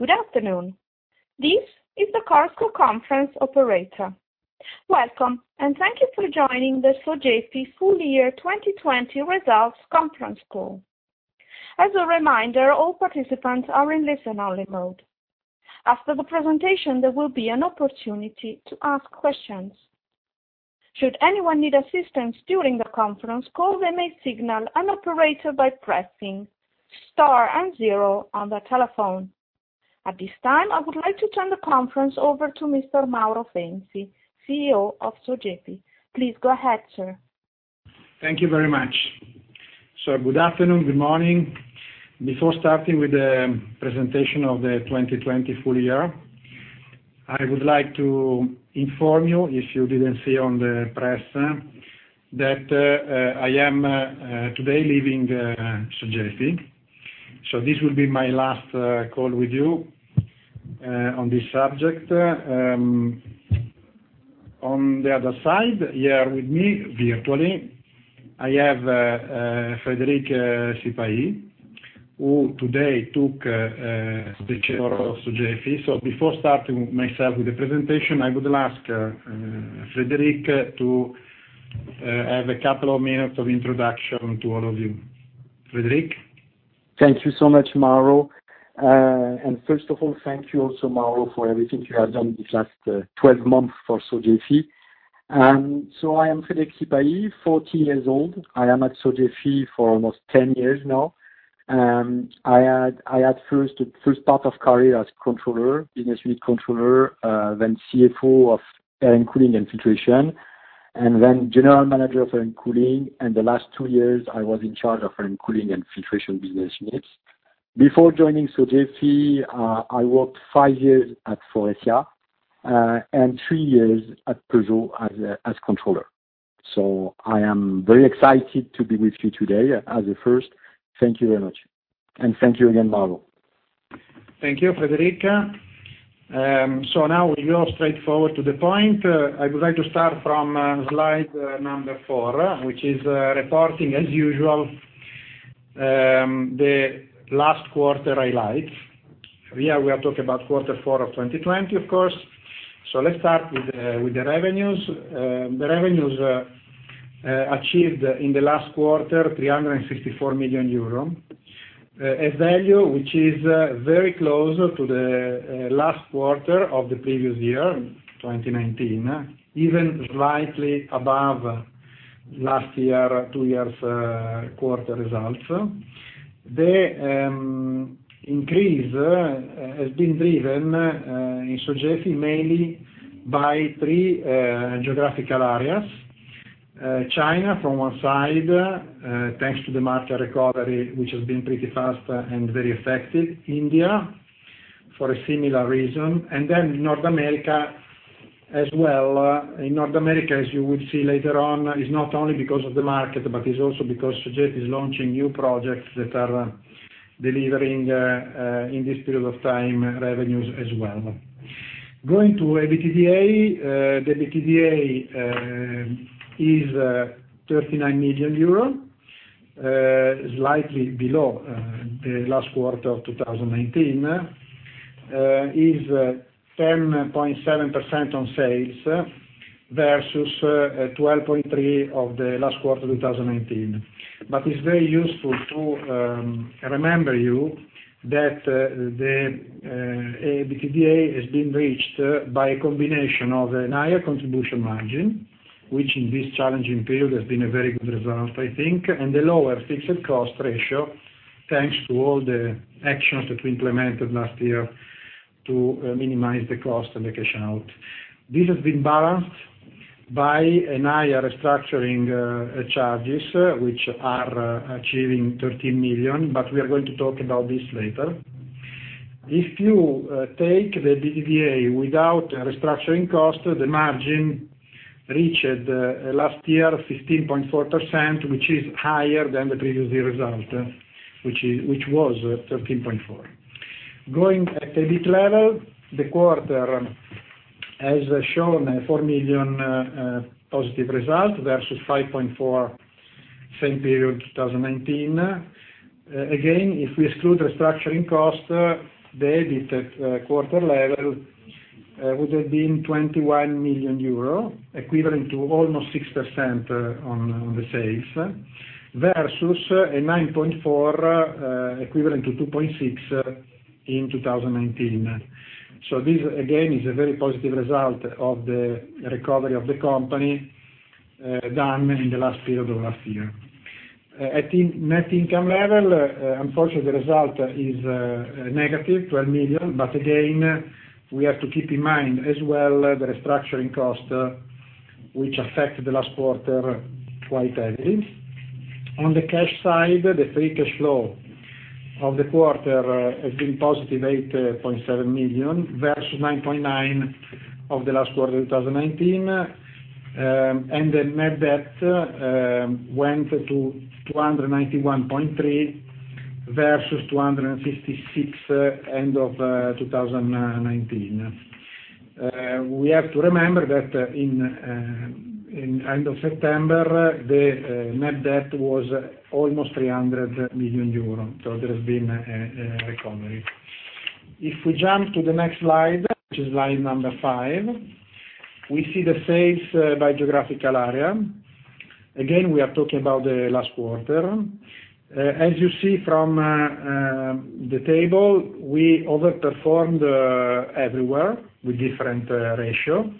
Good afternoon. This is the Chorus Call Conference operator. Welcome, and thank you for joining the Sogefi full year 2020 results conference call. As a reminder, all participants are in listen-only mode. After the presentation, there will be an opportunity to ask questions. Should anyone need assistance during the conference call, they may signal an operator by pressing star and zero on their telephone. At this time, I would like to turn the conference over to Mr. Mauro Fenzi, CEO of Sogefi. Please go ahead, sir. Thank you very much. Good afternoon, good morning. Before starting with the presentation of the 2020 full year, I would like to inform you, if you didn't see on the press, that I am today leaving Sogefi. This will be my last call with you on this subject. On the other side, here with me virtually, I have Frédéric Sipahi, who today took the chair of Sogefi. Before starting myself with the presentation, I would ask Frédéric to have a couple of minutes of introduction to all of you. Frédéric? Thank you so much, Mauro. First of all, thank you also, Mauro, for everything you have done these last 12 months for Sogefi. I am Frédéric Sipahi, 40 years old. I am at Sogefi for almost 10 years now. I had first part of career as controller, business unit controller, then CFO of Air and Cooling and Filtration, and then general manager of Air and Cooling, and the last two years, I was in charge of Air and Cooling and Filtration business units. Before joining Sogefi, I worked five years at Faurecia, and three years at Peugeot as controller. I am very excited to be with you today as a first. Thank you very much, and thank you again, Mauro. Thank you, Frédéric. Now we go straightforward to the point. I would like to start from slide number 4, which is reporting, as usual, the last quarter I like. Here, we are talking about quarter four of 2020, of course. Let's start with the revenues. The revenues achieved in the last quarter, 364 million euro. A value which is very close to the last quarter of the previous year, 2019, even slightly above last year, two years quarter results. The increase has been driven in Sogefi mainly by three geographical areas. China from one side, thanks to the market recovery, which has been pretty fast and very effective. India, for a similar reason, and then North America as well. In North America, as you will see later on, is not only because of the market, but it's also because Sogefi is launching new projects that are delivering, in this period of time, revenues as well. Going to EBITDA. The EBITDA is 39 million euro, slightly below the last quarter of 2019. Is 10.7% on sales versus 12.3% of the last quarter 2019. It's very useful to remember you that the EBITDA has been reached by a combination of a higher contribution margin, which in this challenging period has been a very good result, I think, and the lower fixed cost ratio, thanks to all the actions that we implemented last year to minimize the cost and the cash out. This has been balanced by higher restructuring charges, which are achieving 13 million, but we are going to talk about this later. If you take the EBITDA without restructuring cost, the margin reached last year 15.4%, which is higher than the previous year result, which was 13.4%. Going at EBIT level, the quarter has shown a 4 million positive result versus 5.4 million same period 2019. If we exclude restructuring cost, the EBIT at quarter level would have been 21 million euro, equivalent to almost 6% on the sales versus 9.4 million equivalent to 2.6% in 2019. This, again, is a very positive result of the recovery of the company done in the last period of last year. At net income level, unfortunately, the result is negative, 12 million, again, we have to keep in mind as well the restructuring cost, which affected the last quarter quite heavily. On the cash side, the free cash flow of the quarter has been +8.7 million versus 9.9 million of the last quarter of 2019. The net debt went to 291.3 million versus 256 million end of 2019. We have to remember that in end of September, the net debt was almost 300 million euros. There has been a recovery. If we jump to the next slide, which is slide number 5, we see the sales by geographical area. Again, we are talking about the last quarter. As you see from the table, we overperformed everywhere with different ratio.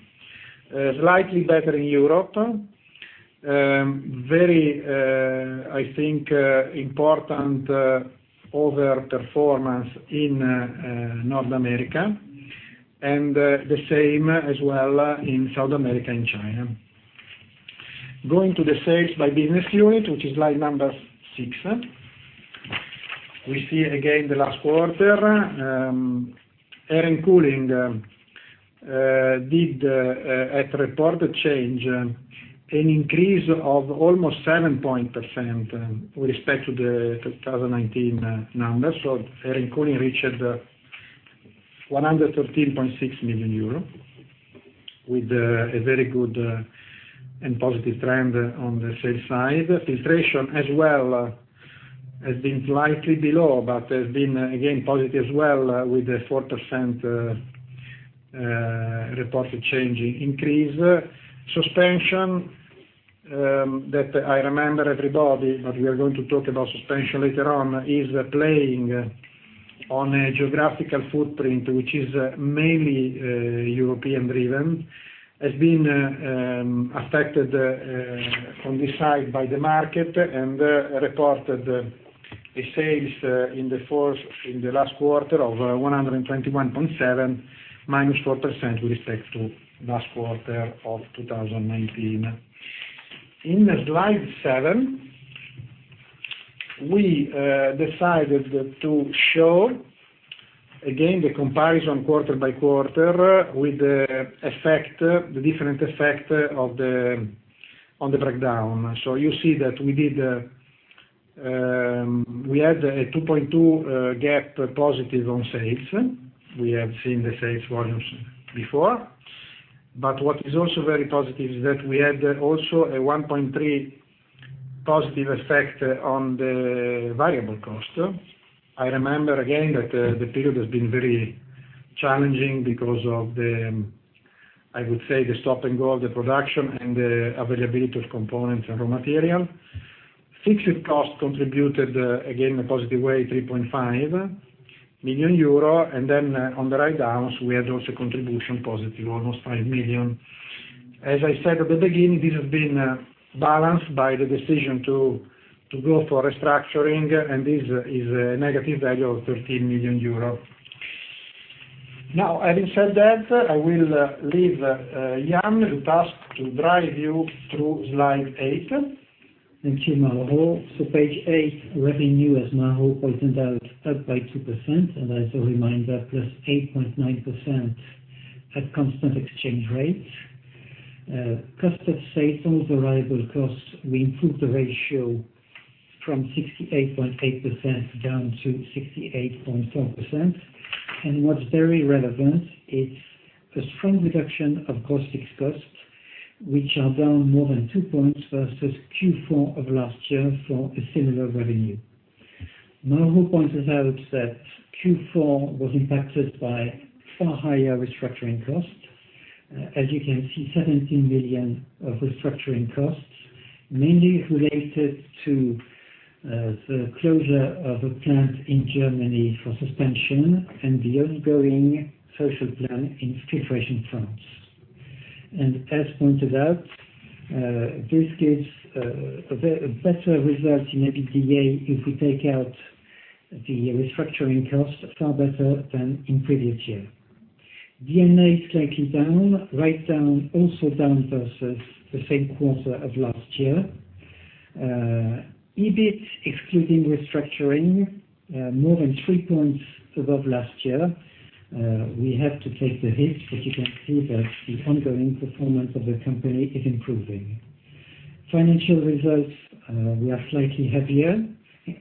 Slightly better in Europe. Very, I think, important overperformance in North America, and the same as well in South America and China. Going to the sales by business unit, which is slide number 6. We see again the last quarter. Air and Cooling did, at reported change, an increase of almost 7% with respect to the 2019 numbers. Air and Cooling reached 113.6 million euro, with a very good and positive trend on the sales side. Filtration as well has been slightly below, but has been, again, positive as well, with a 4% reported change increase. Suspension, that I remember everybody, but we are going to talk about Suspension later on, is playing on a geographical footprint, which is mainly European driven, has been affected on this side by the market, and reported a sales in the last quarter of 121.7, minus 4% with respect to last quarter of 2019. In slide seven, we decided to show again the comparison quarter by quarter with the different effect on the breakdown. You see that we had a 2.2 gap positive on sales. We have seen the sales volumes before. What is also very positive is that we had also a 1.3 positive effect on the variable cost. I remember again that the period has been very challenging because of the, I would say, the stop and go of the production and the availability of components and raw material. Fixed cost contributed, again, a positive way, 3.5 million euro. On the write-downs, we had also contribution positive, almost 5 million. As I said at the beginning, this has been balanced by the decision to go for restructuring, and this is a negative value of 13 million euros. Having said that, I will leave Yann the task to drive you through slide 8. Thank you, Mauro. Page 8, revenue, as Mauro pointed out, up by 2%, as a reminder, plus 8.9% at constant exchange rates. Cost of sales, variable costs, we improved the ratio from 68.8% down to 68.4%. What's very relevant is a strong reduction of logistics costs, which are down more than two points versus Q4 of last year for a similar revenue. Mauro points out that Q4 was impacted by far higher restructuring costs. As you can see, 17 million of restructuring costs, mainly related to the closure of a plant in Germany for Suspensions and the ongoing social plan in Filtration France. As pointed out, this gives a better result in EBITDA if we take out the restructuring cost, far better than in previous year. D&A is slightly down, write-down also down versus the same quarter of last year. EBIT, excluding restructuring, more than three points above last year. We have to take the hit, but you can see that the ongoing performance of the company is improving. Financial results, we are slightly heavier.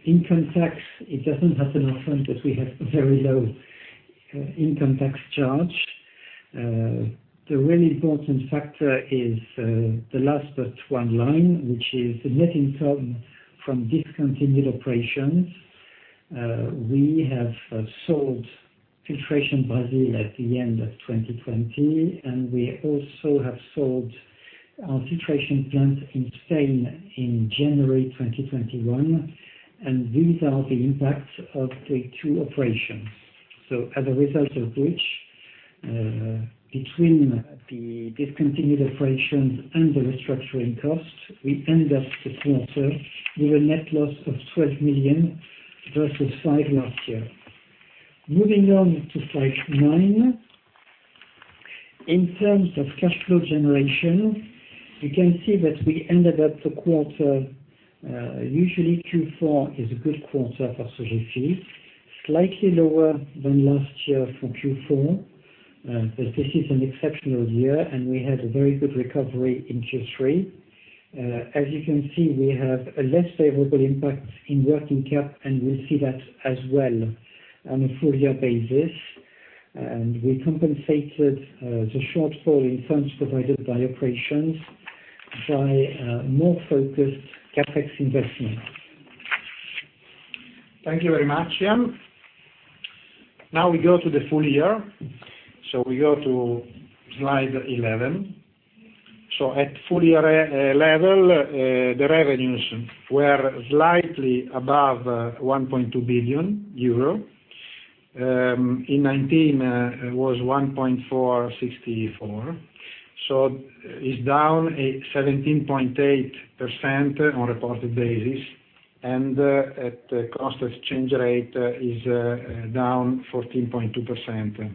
Income tax, it doesn't happen often that we have very low income tax charge. The really important factor is the last but one line, which is the net income from discontinued operations. We have sold Sogefi Filtration do Brasil Ltda at the end of 2020, and we also have sold our filtration plant in Spain in January 2021. These are the impacts of the two operations. As a result of which, between the discontinued operations and the restructuring cost, we end up this quarter with a net loss of 12 million versus 5 million last year. Moving on to slide nine. In terms of cash flow generation, you can see that we ended up the quarter, usually Q4 is a good quarter for Sogefi, slightly lower than last year for Q4, but this is an exceptional year, and we had a very good recovery in Q3. As you can see, we have a less favorable impact in working cap, and we see that as well on a full year basis. We compensated the shortfall in funds provided by operations by more focused CapEx investments. Thank you very much, Yann. Now we go to the full year. We go to slide 11. At full year level, the revenues were slightly above 1.2 billion euro. In 2019, it was 1.464 billion. It is down 17.8% on a reported basis, and at the constant exchange rate, it is down 14.2%.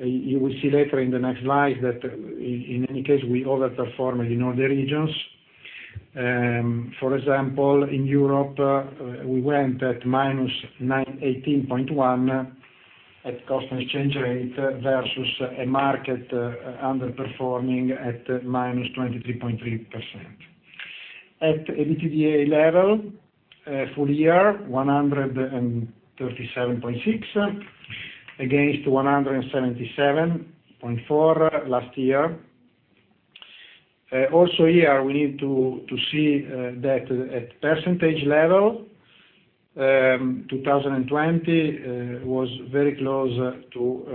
You will see later in the next slide that, in any case, we overperformed in all the regions. For example, in Europe, we went at -18.1% at constant exchange rate versus a market underperforming at -23.3%. At EBITDA level, full year, 137.6 million against 177.4 million last year. Also here, we need to see that at percentage level, 2020 was very close to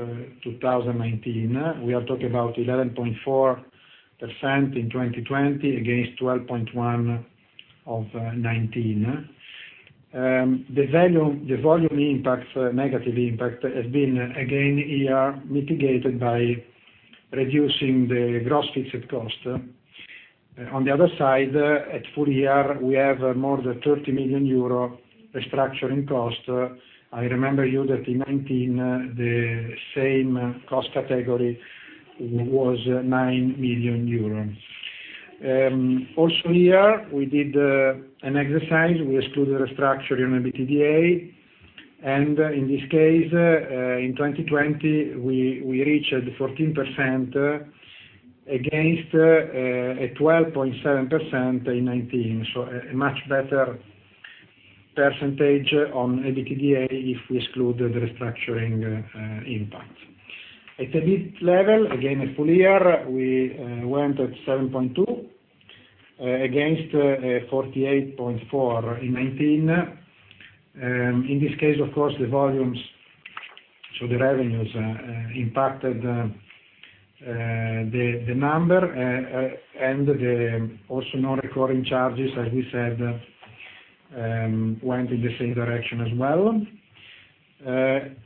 2019. We are talking about 11.4% in 2020 against 12.1% of 2019. The volume negative impact has been again here mitigated by reducing the gross fixed cost. On the other side, at full year, we have more than 30 million euro restructuring cost. I remember you that in 2019, the same cost category was 9 million euros. Here, we did an exercise. We excluded restructuring on EBITDA. In this case, in 2020, we reached 14% against a 12.7% in 2019. A much better percentage on EBITDA if we exclude the restructuring impact. At EBIT level, again, at full year, we went at 7.2% against 48.4% in 2019. In this case, of course, the volumes, so the revenues impacted the number, and the also non-recurring charges, as we said, went in the same direction as well.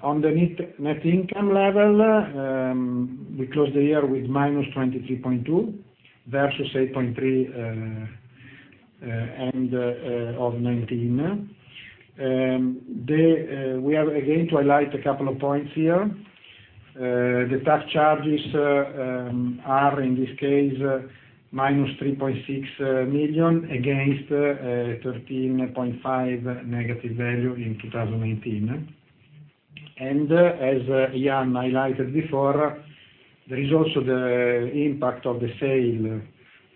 On the net income level, we closed the year with -23.2 versus 8.3 end of 2019. We are again to highlight a couple of points here. The tax charges are, in this case, -3.6 million against 13.5 negative value in 2019. As Yann highlighted before, there is also the impact of the sale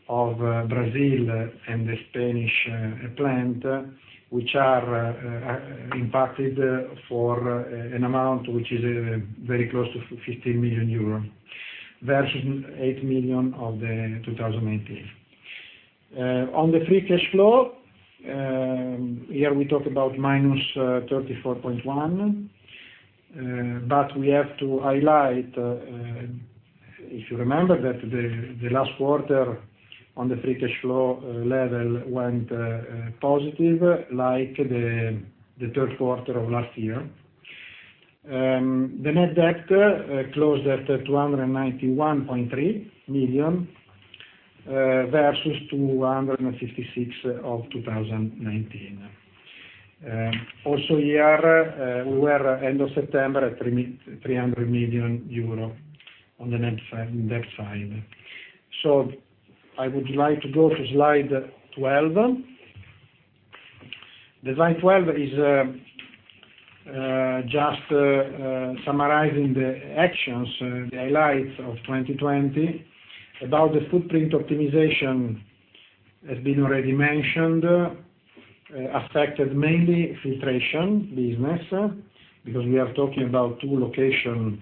of Brazil and the Spanish plant, which are impacted for an amount which is very close to 15 million euros, versus 8 million of 2019. On the free cash flow, here we talk about -34.1 million, we have to highlight, if you remember, that the last quarter on the free cash flow level went positive, like the third quarter of last year. The net debt closed at 291.3 million, versus 256 million of 2019. Here, we were end of September at 300 million euro on the net debt side. I would like to go to slide 12. Slide 12 is just summarizing the actions, the highlights of 2020. About the footprint optimization, has been already mentioned, affected mainly filtration business, because we are talking about two locations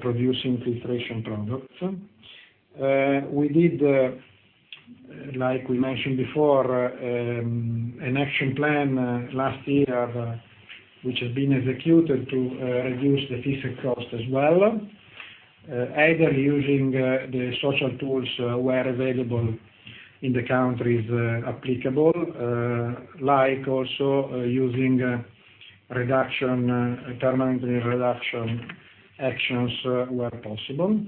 producing filtration products. We did, like we mentioned before, an action plan last year, which has been executed to reduce the fixed cost as well, either using the social tools where available in the countries applicable, like also using permanent reduction actions where possible.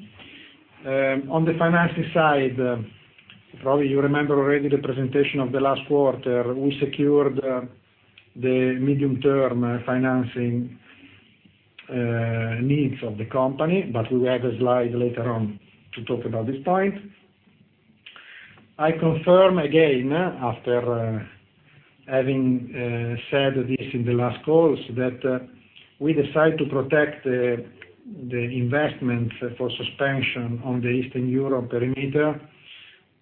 On the financing side, probably you remember already the presentation of the last quarter, we secured the medium term financing needs of the company, but we will have a slide later on to talk about this point. I confirm again, after having said this in the last calls, that we decide to protect the investment for suspension on the Eastern Europe perimeter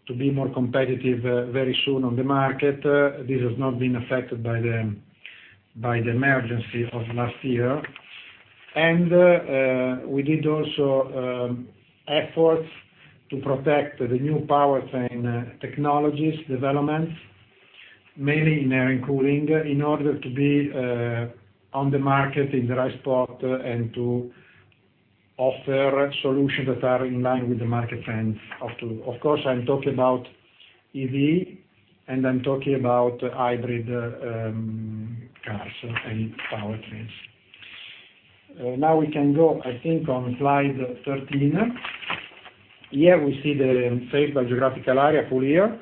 to be more competitive very soon on the market. This has not been affected by the emergency of last year. We did also efforts to protect the new powertrain technologies developments, mainly in air cooling, in order to be on the market in the right spot, and to offer solutions that are in line with the market trend. Of course, I'm talking about EV, and I'm talking about hybrid cars and powertrains. We can go, I think, on slide 13. Here, we see the sales by geographical area full year.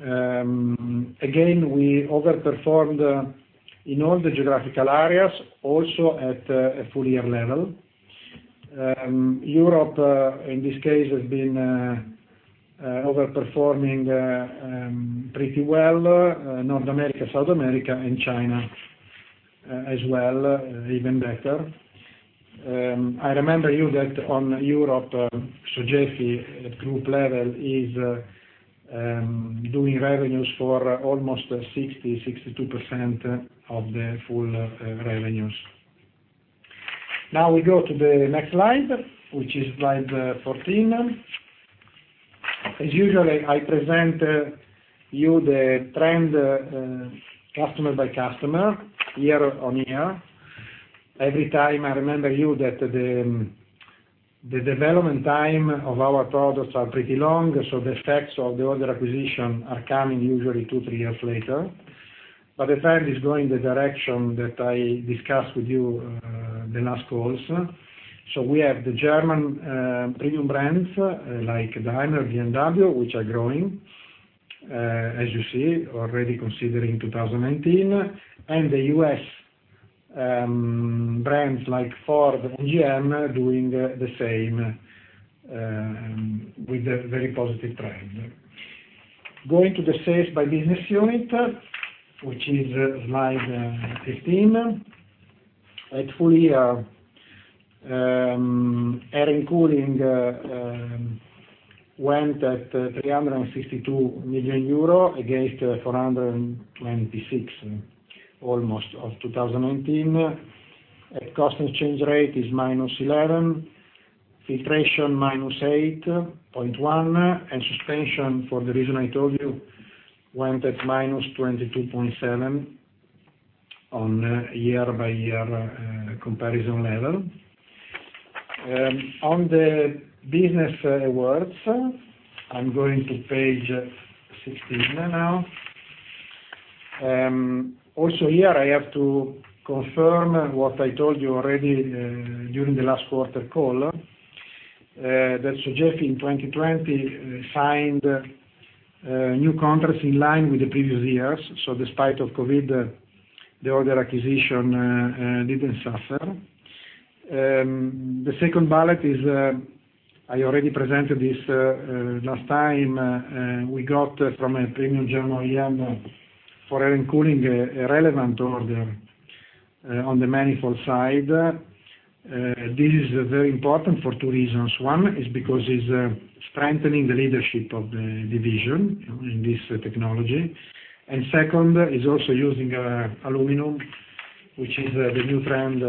We overperformed in all the geographical areas, also at a full-year level. Europe, in this case, has been over-performing pretty well. North America, South America, and China as well, even better. I remember you that on Europe, Sogefi, at group level, is doing revenues for almost 60, 62% of the full revenues. We go to the next slide, which is slide 14. As usual, I present you the trend customer by customer year-on-year. Every time, I remind you that the development time of our products are pretty long, the effects of the order acquisition are coming usually two, three years later. The trend is going the direction that I discussed with you the last calls. We have the German premium brands, like Daimler, BMW, which are growing, as you see, already considering 2019, and the U.S. brands like Ford and GM doing the same, with a very positive trend. Going to the sales by business unit, which is slide 15. At full year, Air and Cooling went at 362 million euro, against 426, almost, of 2019. At constant exchange rate is -11%, Filtration -8.1%, and Suspension, for the reason I told you, went at -22.7% on a year-by-year comparison level. On the business awards, I'm going to page 16 now. Also here, I have to confirm what I told you already during the last quarter call, that Sogefi in 2020 signed new contracts in line with the previous years. Despite of COVID, the order acquisition didn't suffer. The second bullet is, I already presented this last time, we got from a premium German OEM for Air and Cooling, a relevant order on the manifold side. This is very important for two reasons. One, is because it's strengthening the leadership of the division in this technology. Second, is also using aluminum, which is the new trend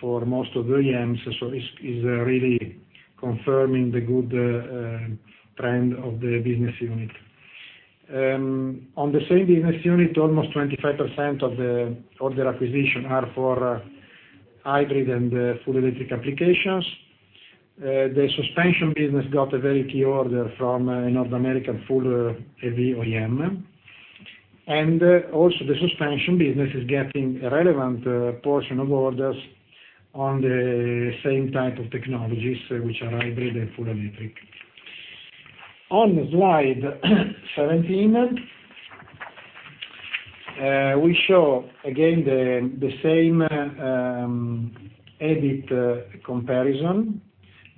for most of the OEMs. It's really confirming the good trend of the business unit. On the same business unit, almost 25% of the order acquisition are for hybrid and full electric applications. The suspension business got a very key order from a North American full EV OEM. The suspension business is getting a relevant portion of orders on the same type of technologies, which are hybrid and full electric. On slide 17, we show again the same EBIT comparison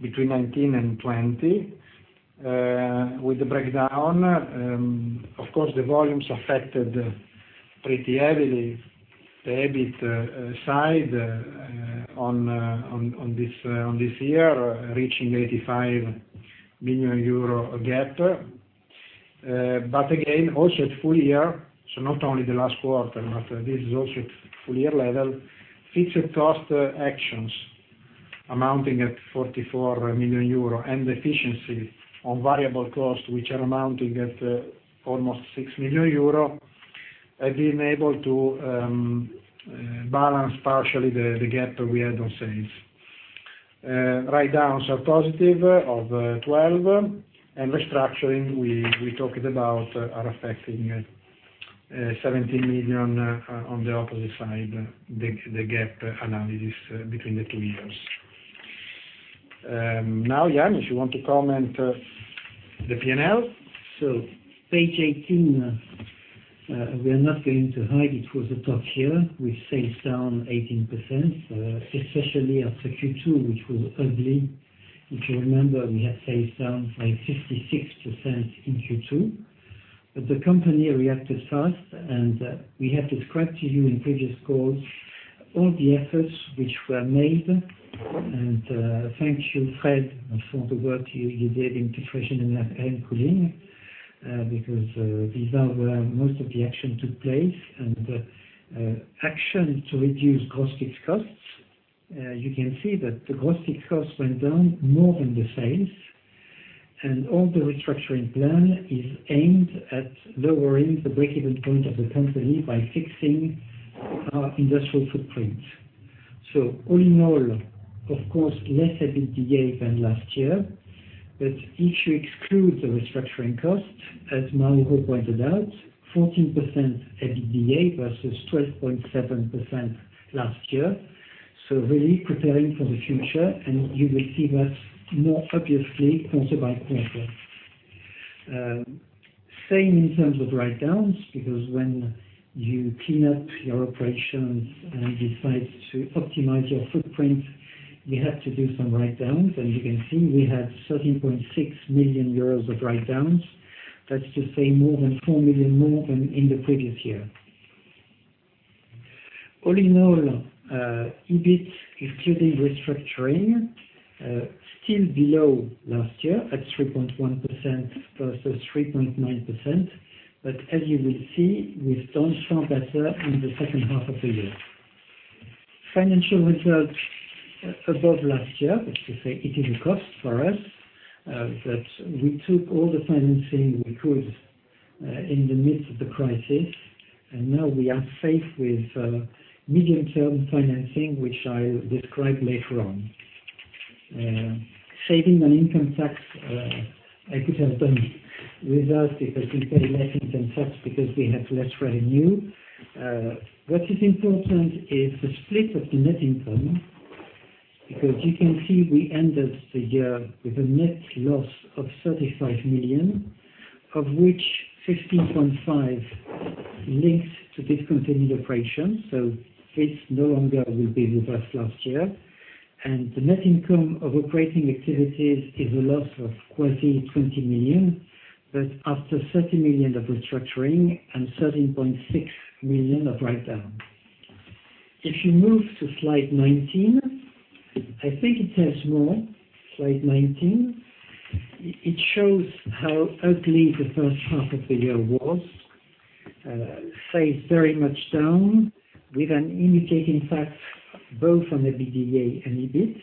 between 2019 and 2020, with the breakdown. Of course, the volumes affected pretty heavily the EBIT side on this year, reaching 85 million euro gap. Also at full year, so not only the last quarter, but this is also at full year level, fixed cost actions amounting at 44 million euro and efficiency on variable costs, which are amounting at almost 6 million euro, have been able to balance partially the gap we had on sales. Write-downs are positive of 12 million, restructuring, we talked about, are affecting 17 million on the opposite side, the gap analysis between the two years. Yann, you want to comment the P&L? Page 18, we are not going to hide it was a tough year, with sales down 18%, especially after Q2, which was ugly. If you remember, we had sales down by 56% in Q2. The company reacted fast, and we have described to you in previous calls. All the efforts which were made, and thank you, Fred, for the work you did in Suspensions and Cooling, because these are where most of the action took place, and the action to reduce gross fixed costs. You can see that the gross fixed costs went down more than the sales. All the restructuring plan is aimed at lowering the break-even point of the company by fixing our industrial footprint. All in all, of course, less EBITDA than last year, but if you exclude the restructuring cost, as Mauro pointed out, 14% EBITDA versus 12.7% last year. Really preparing for the future, and you will see that more obviously quarter by quarter. Same in terms of write-downs, because when you clean up your operations and decide to optimize your footprint, we have to do some write-downs. You can see we had 13.6 million euros of write-downs. That's to say more than 4 million more than in the previous year. All in all, EBIT, excluding restructuring, still below last year at 3.1% versus 3.9%. As you will see, we've done far better in the second half of the year. Financial results above last year, which is to say it is a cost for us, but we took all the financing we could in the midst of the crisis, and now we are safe with medium-term financing, which I describe later on. Saving on income tax, I could have done without, because we pay less income tax because we have less revenue. What is important is the split of the net income, because you can see we ended the year with a net loss of 35 million, of which 15.5 links to discontinued operations. This no longer will be with us last year. The net income of operating activities is a loss of quasi 20 million, but after 30 million of restructuring and 13.6 million of write-down. If you move to slide 19, I think it says more. Slide 19, it shows how ugly the first half of the year was. Sales very much down with an impacting fact both on EBITDA and EBIT.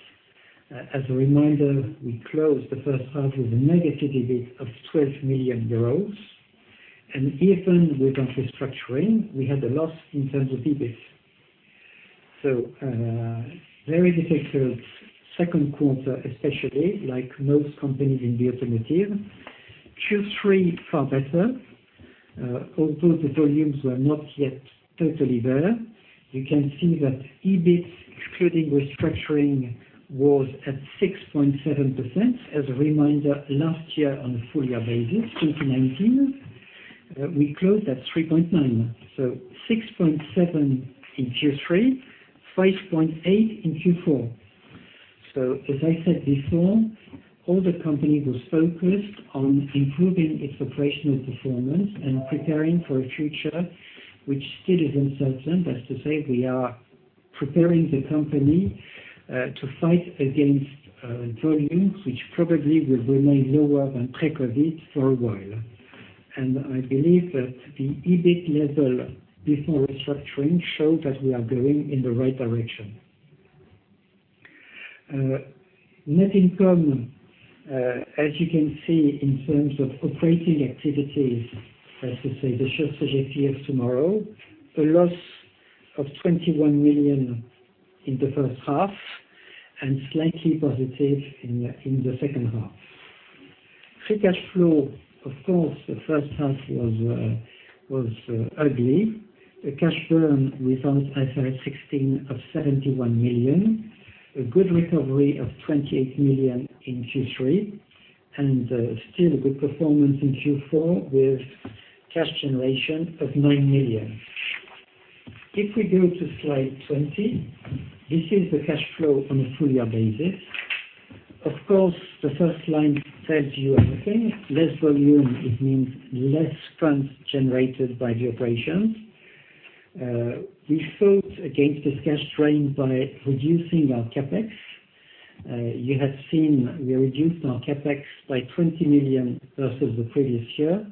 As a reminder, we closed the first half with a negative EBIT of 12 million euros. Even with restructuring, we had a loss in terms of EBIT. Very difficult second quarter, especially like most companies in the automotive. Q3, far better. Although the volumes were not yet totally there. You can see that EBIT, excluding restructuring, was at 6.7%. As a reminder, last year on a full-year basis, 2019, we closed at 3.9. 6.7 in Q3, 5.8 in Q4. As I said before, all the company was focused on improving its operational performance and preparing for a future which still is uncertain. That's to say we are preparing the company to fight against volumes which probably will remain lower than pre-COVID for a while. I believe that the EBIT level before restructuring show that we are going in the right direction. Net income, as you can see in terms of operating activities, that is to say the Sogefi of tomorrow, a loss of 21 million in the first half and slightly positive in the second half. Free cash flow, of course, the first half was ugly. A cash burn without IFRS 16 of 71 million, a good recovery of 28 million in Q3, and still a good performance in Q4 with cash generation of 9 million. If we go to slide 20, this is the cash flow on a full-year basis. Of course, the first line tells you everything. Less volume, it means less funds generated by the operations. We fought against this cash drain by reducing our CapEx. You have seen we reduced our CapEx by 20 million versus the previous year.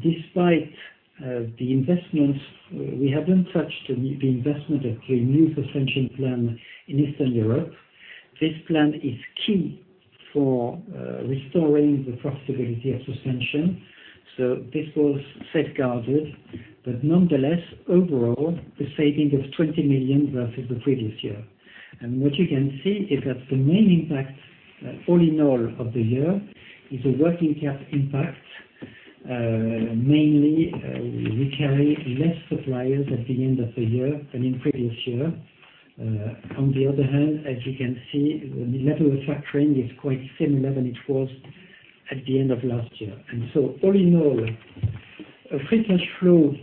Despite the investments, we haven't touched the investment of the new suspension plant in Eastern Europe. This plan is key for restoring the profitability of Suspensions, this was safeguarded. Nonetheless, overall, a saving of 20 million versus the previous year. What you can see is that the main impact, all in all of the year, is a working cap impact. Mainly, we carry less suppliers at the end of the year than in previous year. On the other hand, as you can see, the level of factoring is quite similar than it was at the end of last year. All in all, a free cash flow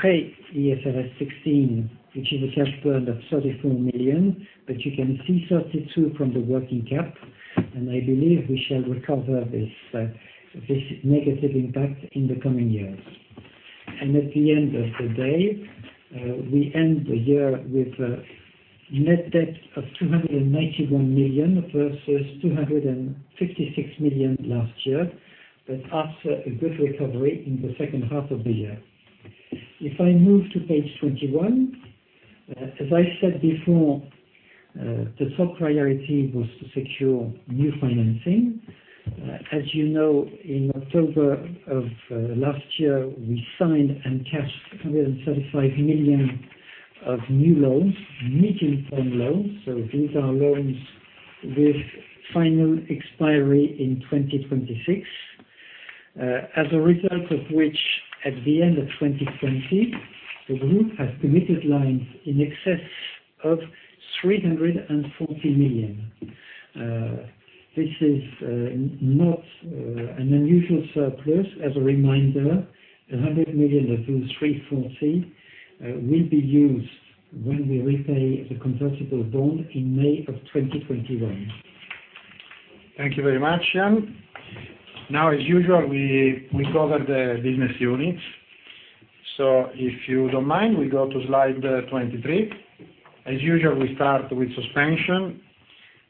pre IFRS 16, which is a cash burn of 34 million, but you can see 32 million from the working cap, and I believe we shall recover this negative impact in the coming years. At the end of the day, we end the year with a net debt of 291 million versus 256 million last year, but after a good recovery in the second half of the year. If I move to page 21, as I said before, the top priority was to secure new financing. As you know, in October of last year, we signed and cashed 175 million of new loans, medium-term loans. These are loans with final expiry in 2026. At the end of 2020, the group has committed lines in excess of 340 million. This is not an unusual surplus. As a reminder, 100 million of those 340 will be used when we repay the convertible bond in May of 2021. Thank you very much, Yann. As usual, we cover the business units. If you don't mind, we go to slide 23. As usual, we start with Suspensions.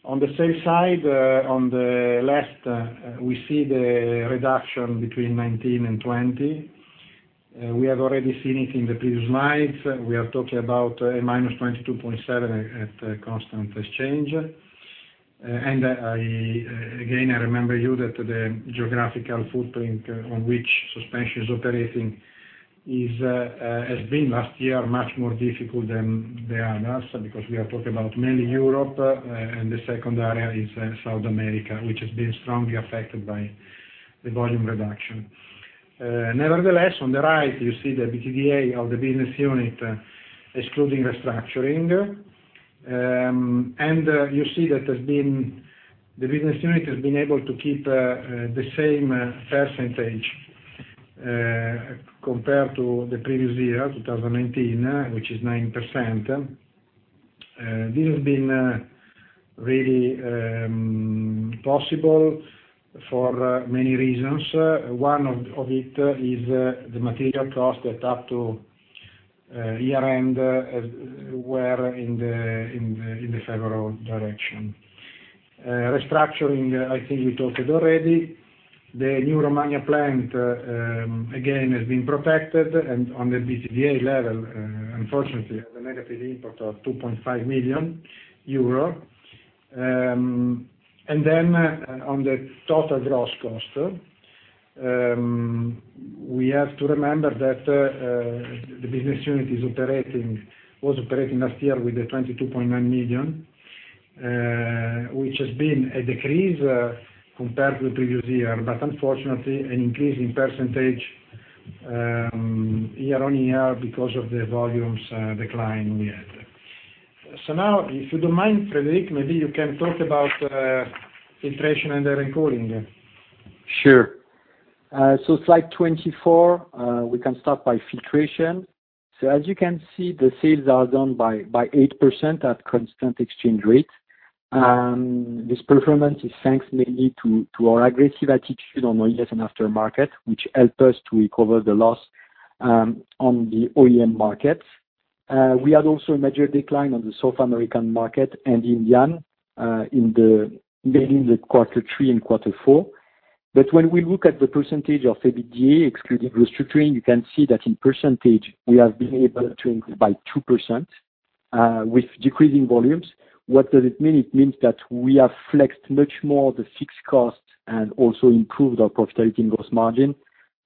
On the sales side, on the left, we see the reduction between 2019 and 2020. We have already seen it in the previous slides. We are talking about a -22.7% at constant exchange. Again, I remember you that the geographical footprint on which Suspensions is operating has been, last year, much more difficult than the others, because we are talking about mainly Europe, and the second area is South America, which has been strongly affected by the volume reduction. Nevertheless, on the right, you see the EBITDA of the business unit excluding restructuring. You see that the business unit has been able to keep the same fair percentage, compared to the previous year, 2019, which is 9%. This has been really possible for many reasons. One of it is the material cost that up to year-end were in the favorable direction. Restructuring, I think we talked it already. The new Romania plant, again, has been protected, and on the EBITDA level, unfortunately, has a negative input of 2.5 million euro. Then on the total gross cost, we have to remember that the business unit was operating last year with the 22.9 million, which has been a decrease compared to the previous year. Unfortunately, an increase in percentage year-on-year because of the volumes decline we had. Now if you don't mind, Frédéric, maybe you can talk about filtration and Air and Cooling. Sure. Slide 24, we can start by filtration. As you can see, the sales are down by 8% at constant exchange rate. This performance is thanks mainly to our aggressive attitude on OEM and aftermarket, which helped us to recover the loss on the OEM markets. We had also a major decline on the South American market and in Yan, mainly in the quarter 3 and quarter 4. When we look at the percentage of EBITDA excluding restructuring, you can see that in percentage, we have been able to increase by 2% with decreasing volumes. What does it mean? It means that we have flexed much more the fixed cost and also improved our profitability and gross margin,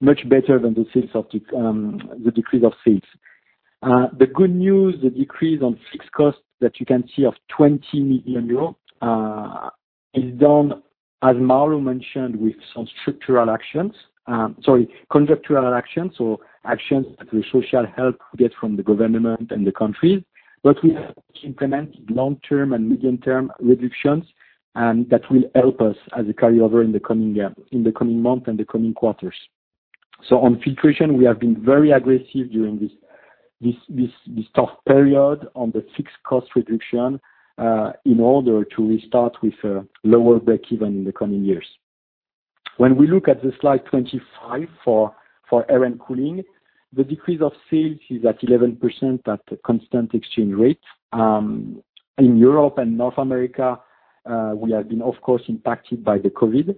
much better than the decrease of sales. The good news, the decrease on fixed costs that you can see of 20 million euros, is done, as Mauro mentioned, with some structural actions. Sorry, contractual actions that the social help we get from the government and the country. We have implemented long-term and medium-term reductions, that will help us as a carryover in the coming year, in the coming months, and the coming quarters. On filtration, we have been very aggressive during this tough period on the fixed cost reduction, in order to restart with a lower break even in the coming years. When we look at the slide 25 for Air and Cooling, the decrease of sales is at 11% at constant exchange rate. In Europe and North America, we have been, of course, impacted by the COVID.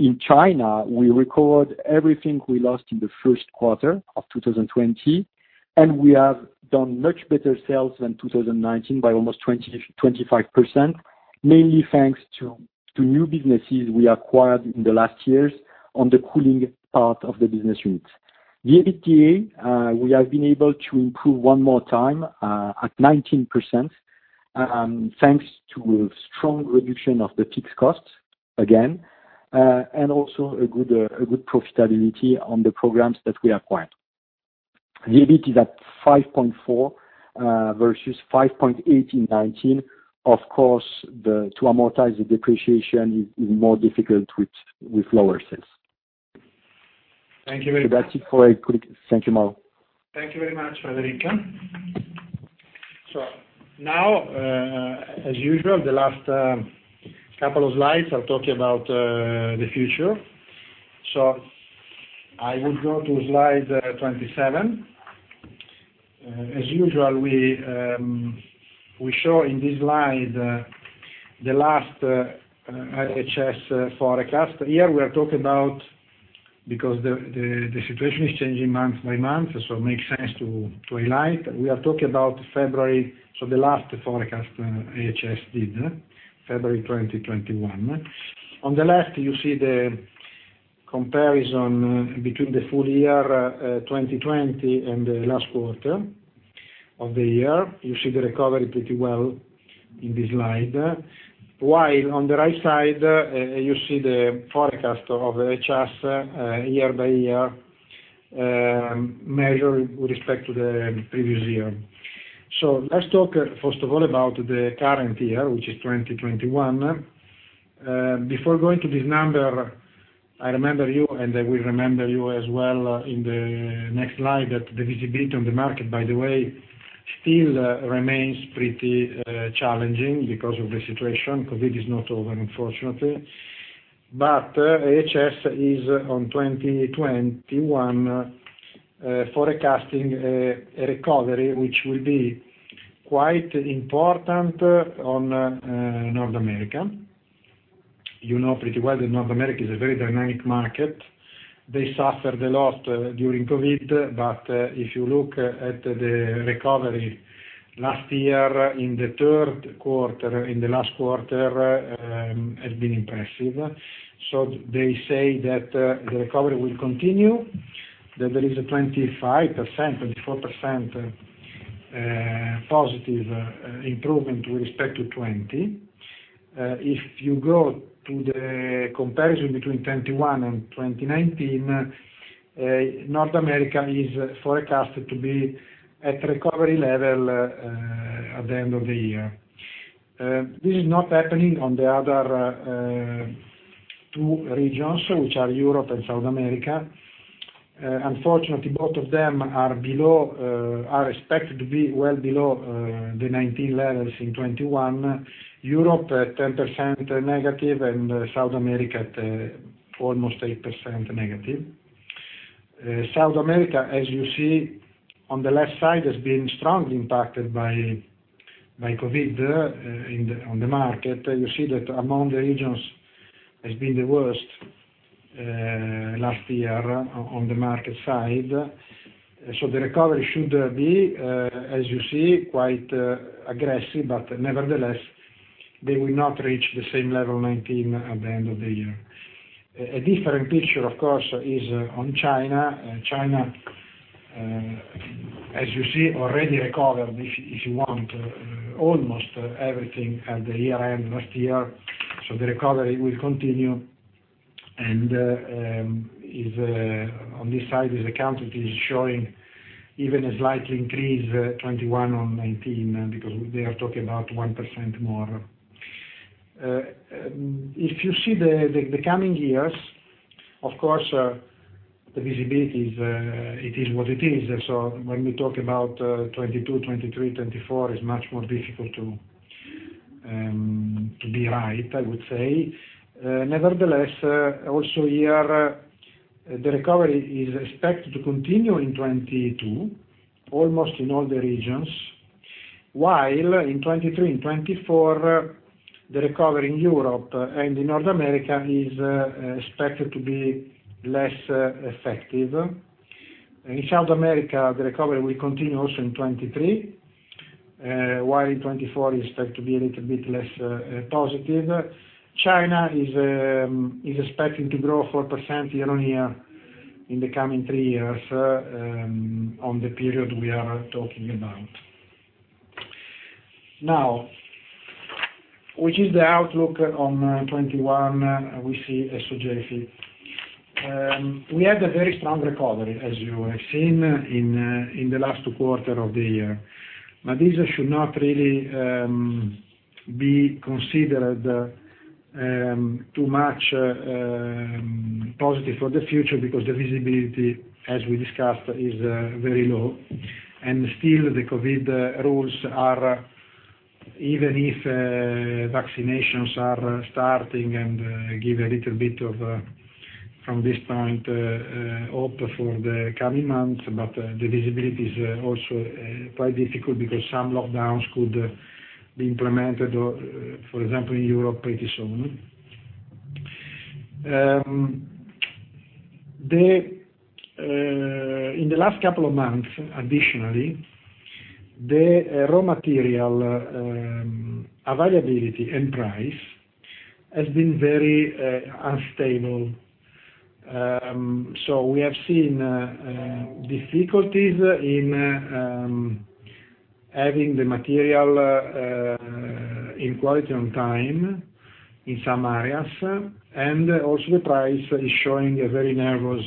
In China, we recovered everything we lost in the first quarter of 2020, and we have done much better sales than 2019, by almost 25%, mainly thanks to new businesses we acquired in the last years on the cooling part of the business unit. The EBITDA, we have been able to improve one more time at 19%, thanks to a strong reduction of the fixed costs, again, and also a good profitability on the programs that we acquired. The EBIT is at 5.4 versus 5.8 in 2019. Of course, to amortize the depreciation is more difficult with lower sales. Thank you very much. That's it for Air Cooling. Thank you, Mauro. Thank you very much, Frédéric. As usual, the last couple of slides are talking about the future. I will go to slide 27. As usual, we show in this slide the last IHS forecast. Here, because the situation is changing month by month, so it makes sense to highlight, we are talking about February, so the last forecast IHS did, February 2021. On the left, you see the comparison between the full year 2020 and the last quarter of the year. You see the recovery pretty well in this slide. While on the right side, you see the forecast of IHS year by year, measure with respect to the previous year. Let's talk first of all about the current year, which is 2021. Before going to this number, I remember you, and I will remember you as well in the next slide, that the visibility on the market, by the way, still remains pretty challenging because of the situation. COVID is not over, unfortunately. IHS is, on 2021, forecasting a recovery which will be quite important on North America. You know pretty well that North America is a very dynamic market. They suffered a lot during COVID, but if you look at the recovery last year in the third quarter, in the last quarter, has been impressive. They say that the recovery will continue, that there is a 25%, 24% positive improvement with respect to 2020. If you go to the comparison between 2021 and 2019, North America is forecasted to be at recovery level at the end of the year. This is not happening on the other two regions, which are Europe and South America. Unfortunately, both of them are expected to be well below the 2019 levels in 2021. Europe, at 10% negative, and South America at almost 8% negative. South America, as you see on the left side, has been strongly impacted by COVID on the market. You see that among the regions has been the worst last year on the market side. The recovery should be, as you see, quite aggressive, but nevertheless, they will not reach the same level 2019 at the end of the year. A different picture, of course, is on China. China, as you see, already recovered, if you want, almost everything at the year-end last year, so the recovery will continue, and on this side is accounted, is showing even a slight increase 2021 on 2019 because they are talking about 1% more. If you see the coming years, of course, the visibility, it is what it is. When we talk about 2022, 2023, 2024, it's much more difficult to be right, I would say. Nevertheless, also here, the recovery is expected to continue in 2022, almost in all the regions. While in 2023 and 2024, the recovery in Europe and in North America is expected to be less effective. In South America, the recovery will continue also in 2023, while in 2024 is expected to be a little bit less positive. China is expecting to grow 4% year-on-year in the coming three years on the period we are talking about. Which is the outlook on 2021 we see at Sogefi? We had a very strong recovery, as you have seen, in the last two quarter of the year. This should not really be considered too much positive for the future because the visibility, as we discussed, is very low. Still, the COVID rules are, even if vaccinations are starting and give a little bit of, from this point, hope for the coming months, but the visibility is also quite difficult because some lockdowns could be implemented, for example, in Europe pretty soon. In the last couple of months, additionally, the raw material availability and price has been very unstable. We have seen difficulties in having the material in quality on time in some areas, also the price is showing a very nervous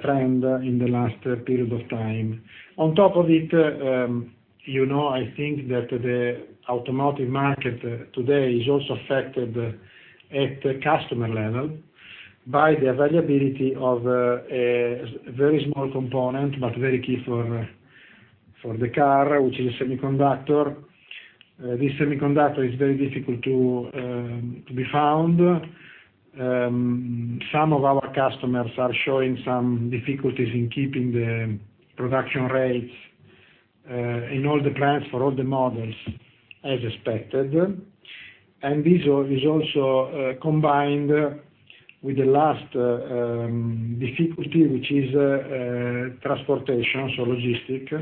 trend in the last period of time. On top of it, you know, I think that the automotive market today is also affected at the customer level by the availability of a very small component, but very key for the car, which is a semiconductor. This semiconductor is very difficult to be found. Some of our customers are showing some difficulties in keeping the production rates in all the plants for all the models as expected. This is also combined with the last difficulty, which is transportation, so logistics,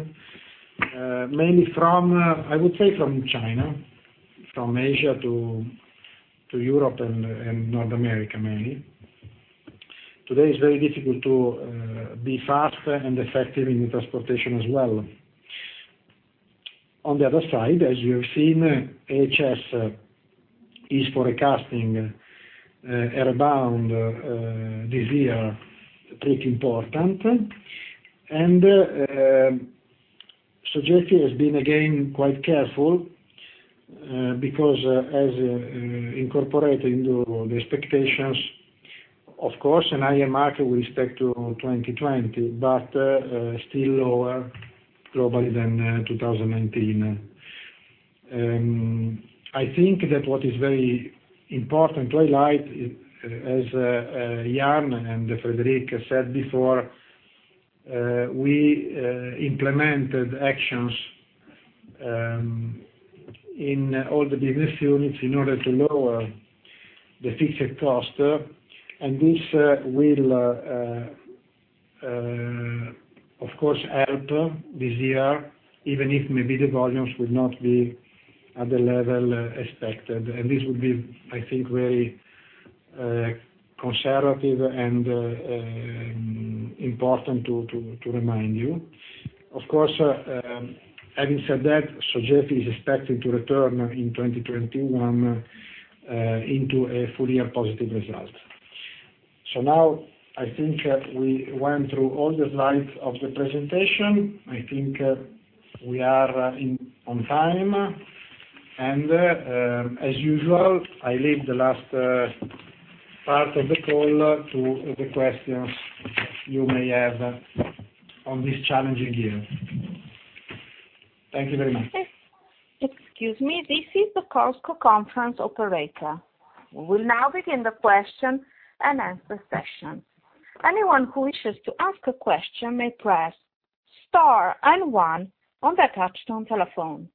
mainly from, I would say from China, from Asia to Europe and North America, mainly. Today's very difficult to be fast and effective in transportation as well. On the other side, as you have seen, HS is forecasting around this year, pretty important. Sogefi has been, again, quite careful, because as incorporated into the expectations, of course, an higher market with respect to 2020, but still lower globally than 2019. I think that what is very important to highlight, as Yann and Frédéric said before, we implemented actions in all the business units in order to lower the fixed cost. This will, of course, help this year, even if maybe the volumes will not be at the level expected. This would be, I think, very conservative and important to remind you. Of course, having said that, Sogefi is expecting to return in 2021 into a full year positive result. Now, I think we went through all the slides of the presentation. I think we are on time. As usual, I leave the last part of the call to the questions you may have on this challenging year. Thank you very much. Excuse me. This is the conference call operator. We will now begin the question-and-answer session. Anyone who wishes to ask a question may press star and one on their touch tone telephone.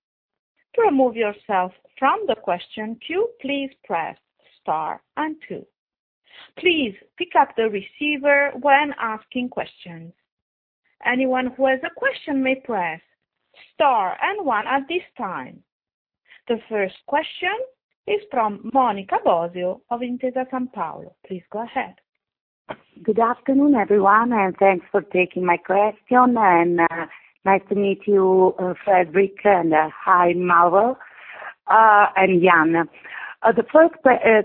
To remove yourself from the question queue, please press star and two. Please pick up the receiver when asking questions. Anyone who has a question may press star and one at this time. The first question is from Monica Bosio of Intesa Sanpaolo. Please go ahead. Good afternoon, everyone, and thanks for taking my question, and nice to meet you, Frédéric, and hi, Mauro and Yann. The first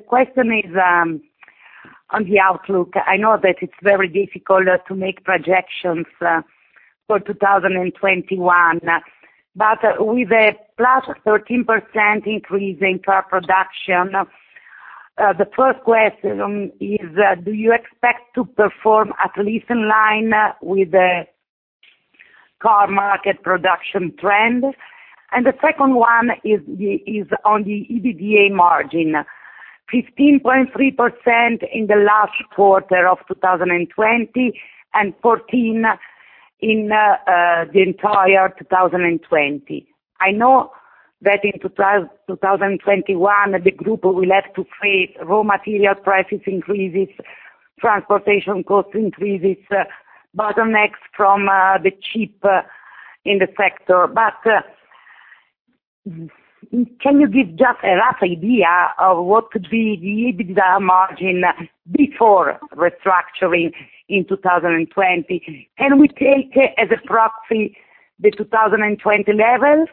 question is on the outlook. I know that it's very difficult to make projections for 2021, with a +13% increase in car production, the first question is: Do you expect to perform at least in line with the car market production trend? The second one is on the EBITDA margin, 15.3% in the last quarter of 2020 and 14% in the entire 2020. I know that in 2021, the group will have to face raw material prices increases, transportation cost increases, bottlenecks from the chip in the sector. Can you give just a rough idea of what could be the EBITDA margin before restructuring in 2020? Can we take as a proxy the 2020 level,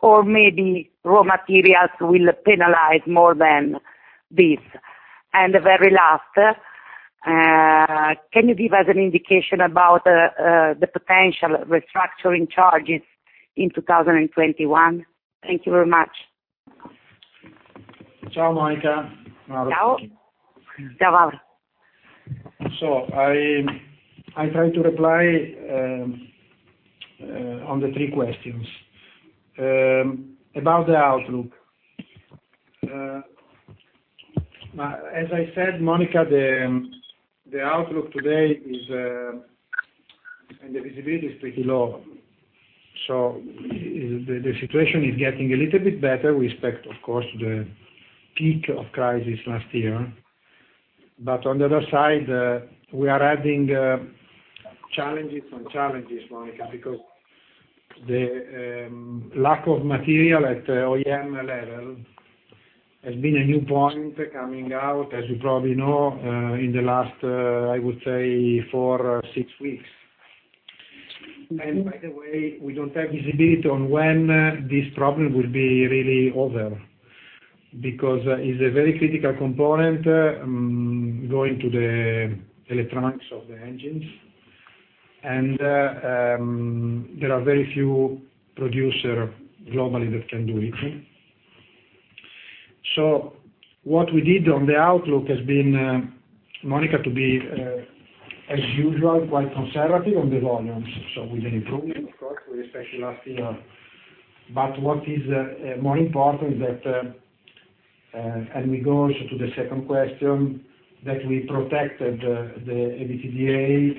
or maybe raw materials will penalize more than this? The very last, can you give us an indication about the potential restructuring charges in 2021? Thank you very much. Ciao, Monica. Ciao. Ciao, Mauro. I try to reply on the three questions. About the outlook. As I said, Monica, the outlook today is, and the visibility is pretty low. The situation is getting a little bit better with respect, of course, to the peak of crisis last year. On the other side, we are adding challenges on challenges, Monica, because the lack of material at OEM level has been a new point coming out, as you probably know, in the last, I would say, four, six weeks. By the way, we don't have visibility on when this problem will be really over, because it's a very critical component, going to the electronics of the engines. There are very few producer globally that can do it. What we did on the outlook has been, Monica, to be as usual, quite conservative on the volumes. We did improve it, of course, with respect to last year. What is more important, and we go to the second question, that we protected the EBITDA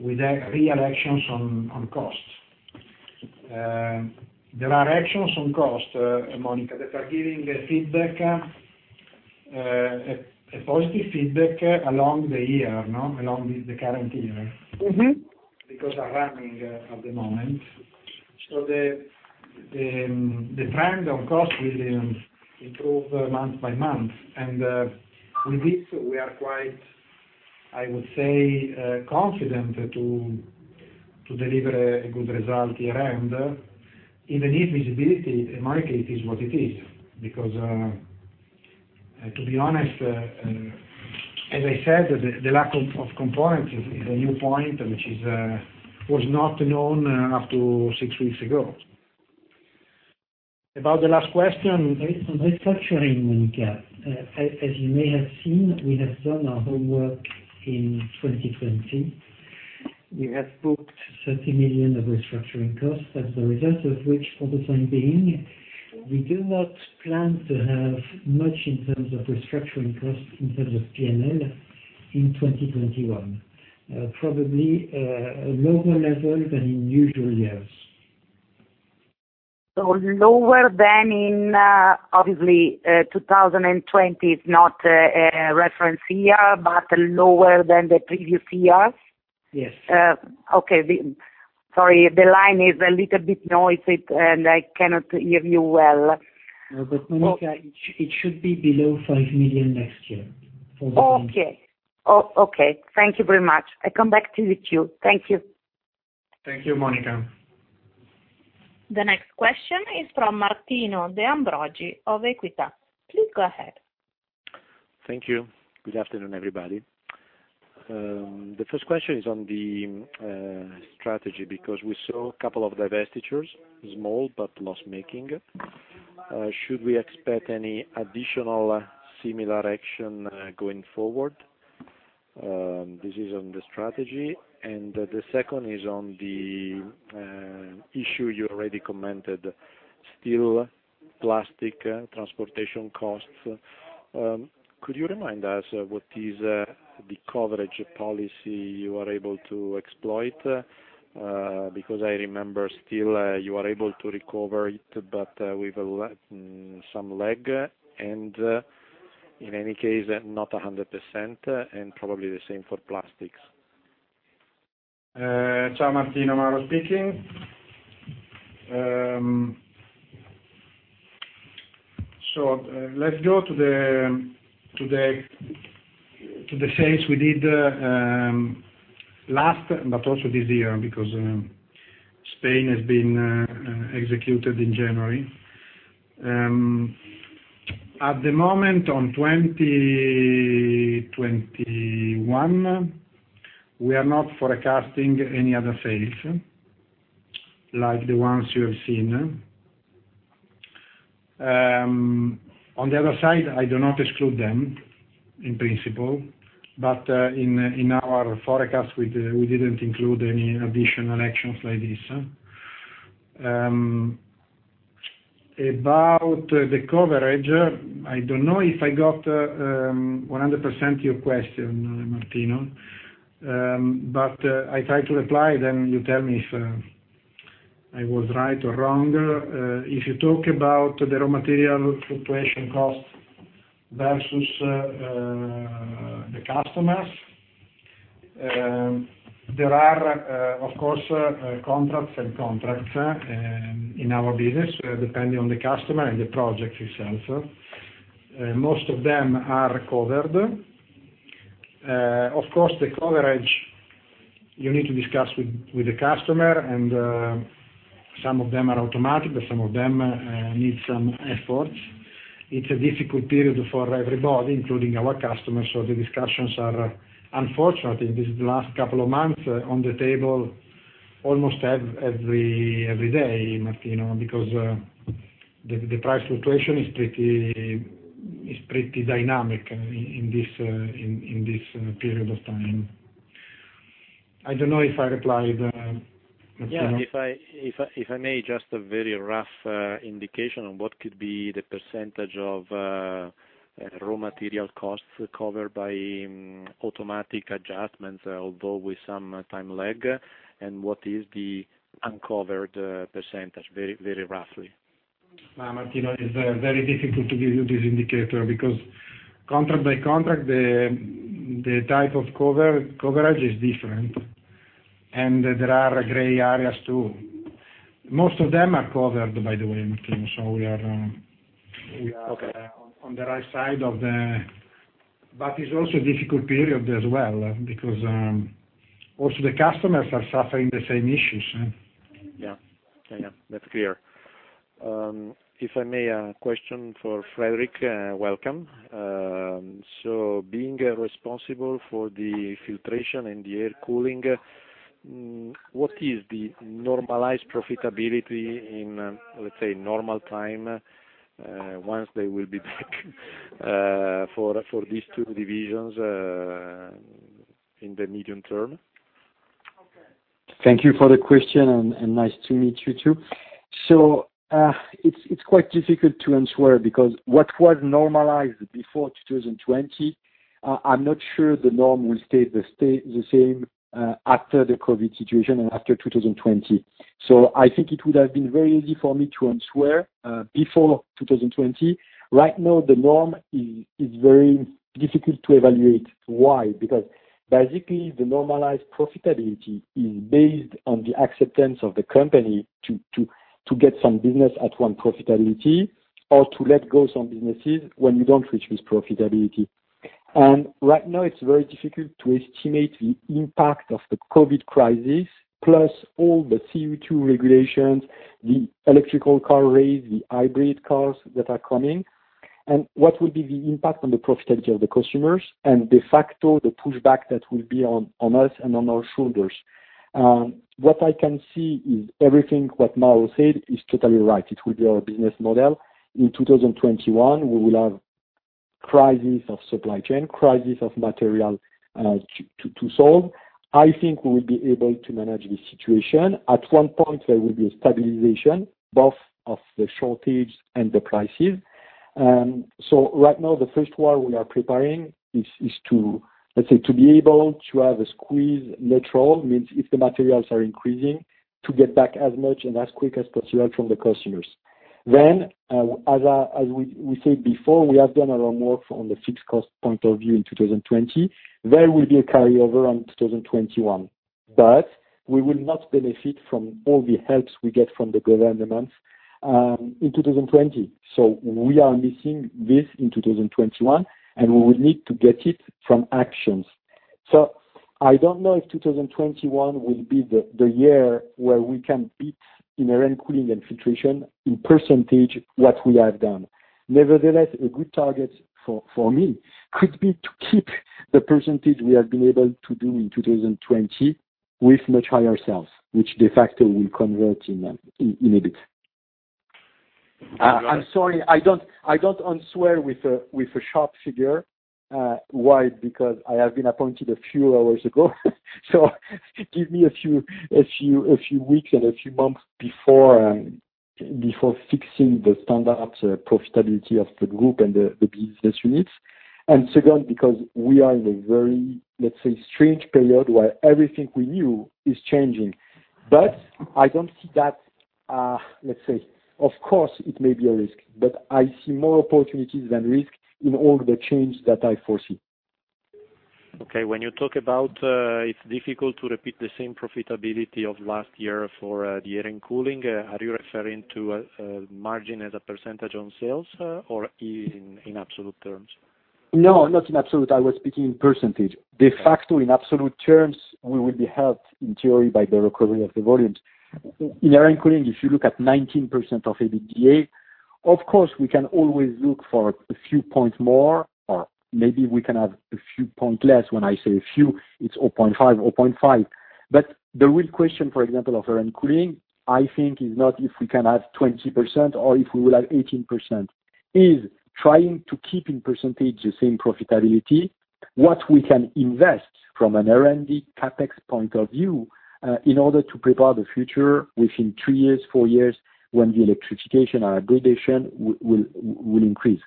with real actions on costs. There are actions on cost, Monica, that are giving a positive feedback along the current year. Because are running at the moment. The trend of cost will improve month by month. With this, we are quite, I would say, confident to deliver a good result year end. In the need visibility, in my case, it is what it is, because to be honest, as I said, the lack of components is a new point, which was not known until six weeks ago. About the last question. On restructuring, Monica. As you may have seen, we have done our homework in 2020. We have booked 30 million of restructuring costs, as a result of which, for the time being, we do not plan to have much in terms of restructuring costs in terms of P&L in 2021. Probably, a lower level than in usual years. Lower than in, obviously, 2020 is not a reference year, but lower than the previous years? Yes. Okay. Sorry, the line is a little bit noisy, and I cannot hear you well. No, Monica, it should be below 5 million next year. Okay. Thank you very much. I come back to the queue. Thank you. Thank you, Monica. The next question is from Martino De Ambroggi of Equita. Please go ahead. Thank you. Good afternoon, everybody. The first question is on the strategy. We saw a couple of divestitures, small, but loss-making. Should we expect any additional similar action going forward? This is on the strategy. The second is on the issue you already commented. Steel, plastic, transportation costs. Could you remind us what is the coverage policy you are able to exploit? I remember steel, you are able to recover it, but with some lag, and in any case, not 100%, and probably the same for plastics. Ciao, Martino. Mauro speaking. Let's go to the sales we did last, but also this year, because spin has been executed in January. At the moment, on 2021, we are not forecasting any other sales, like the ones you have seen. On the other side, I do not exclude them, in principle, but in our forecast, we didn't include any additional actions like this. About the coverage, I don't know if I got 100% your question, Martino. I try to reply, then you tell me if I was right or wrong. If you talk about the raw material fluctuation costs versus the customers, there are, of course, contracts in our business, depending on the customer and the project itself. Most of them are covered. Of course, the coverage you need to discuss with the customer, and some of them are automatic, but some of them need some effort. It's a difficult period for everybody, including our customers, so the discussions are, unfortunately, these last couple of months, on the table almost every day, Martino, because the price fluctuation is pretty dynamic in this period of time. I don't know if I replied, Martino. Yeah, if I may, just a very rough indication on what could be the percentage of raw material costs covered by automatic adjustments, although with some time lag, and what is the uncovered percentage, very roughly? Martino, it's very difficult to give you this indicator, because contract by contract, the type of coverage is different. There are gray areas, too. Most of them are covered, by the way, Martino. Okay. It's also a difficult period as well, because also the customers are suffering the same issues. Yeah. That's clear. If I may, a question for Frédéric. Welcome. Being responsible for the Filtration and the Air and Cooling, what is the normalized profitability in, let's say, normal time, once they will be back for these two divisions in the medium term? Thank you for the question, and nice to meet you, too. It's quite difficult to answer because what was normalized before 2020, I'm not sure the norm will stay the same after the COVID situation and after 2020. I think it would have been very easy for me to answer before 2020. Right now, the norm is very difficult to evaluate. Why? Basically, the normalized profitability is based on the acceptance of the company to get some business at one profitability or to let go some businesses when you don't reach this profitability. Right now it's very difficult to estimate the impact of the COVID crisis, plus all the CO2 regulations, the electrical car race, the hybrid cars that are coming, and what will be the impact on the profitability of the customers and de facto, the pushback that will be on us and on our shoulders. What I can see is everything what Mauro said is totally right. It will be our business model. In 2021, we will have crisis of supply chain, crisis of material to solve. I think we will be able to manage the situation. At one point, there will be a stabilization, both of the shortage and the prices. Right now, the first one we are preparing is to, let's say, to be able to have a squeeze neutral, means if the materials are increasing, to get back as much and as quick as possible from the customers. As we said before, we have done a lot of work from the fixed cost point of view in 2020. There will be a carryover on 2021, but we will not benefit from all the helps we get from the government in 2020. We are missing this in 2021, and we will need to get it from actions. I don't know if 2021 will be the year where we can beat in Air and Cooling and Filtration in percentage what we have done. A good target for me could be to keep the percentage we have been able to do in 2020 with much higher sales, which de facto will convert in EBIT. I'm sorry, I don't answer with a sharp figure. Why? I have been appointed a few hours ago, so give me a few weeks and a few months before fixing the standard profitability of the group and the business units. Second, we are in a very, let's say, strange period where everything we knew is changing. I don't see that, let's say, of course it may be a risk, but I see more opportunities than risk in all the change that I foresee. Okay. When you talk about it's difficult to repeat the same profitability of last year for the Air and Cooling, are you referring to margin as a percentage on sales or in absolute terms? No, not in absolute. I was speaking in percentage. De facto in absolute terms, we will be helped in theory by the recovery of the volumes. In Air and Cooling, if you look at 19% of EBITDA, of course we can always look for a few points more, or maybe we can have a few point less. When I say a few, it's 0.5, 0.5. The real question, for example, of Air and Cooling, I think is not if we can have 20% or if we will have 18%, is trying to keep in percentage the same profitability, what we can invest from an R&D CapEx point of view in order to prepare the future within three years, four years, when the electrification or hybridization will increase.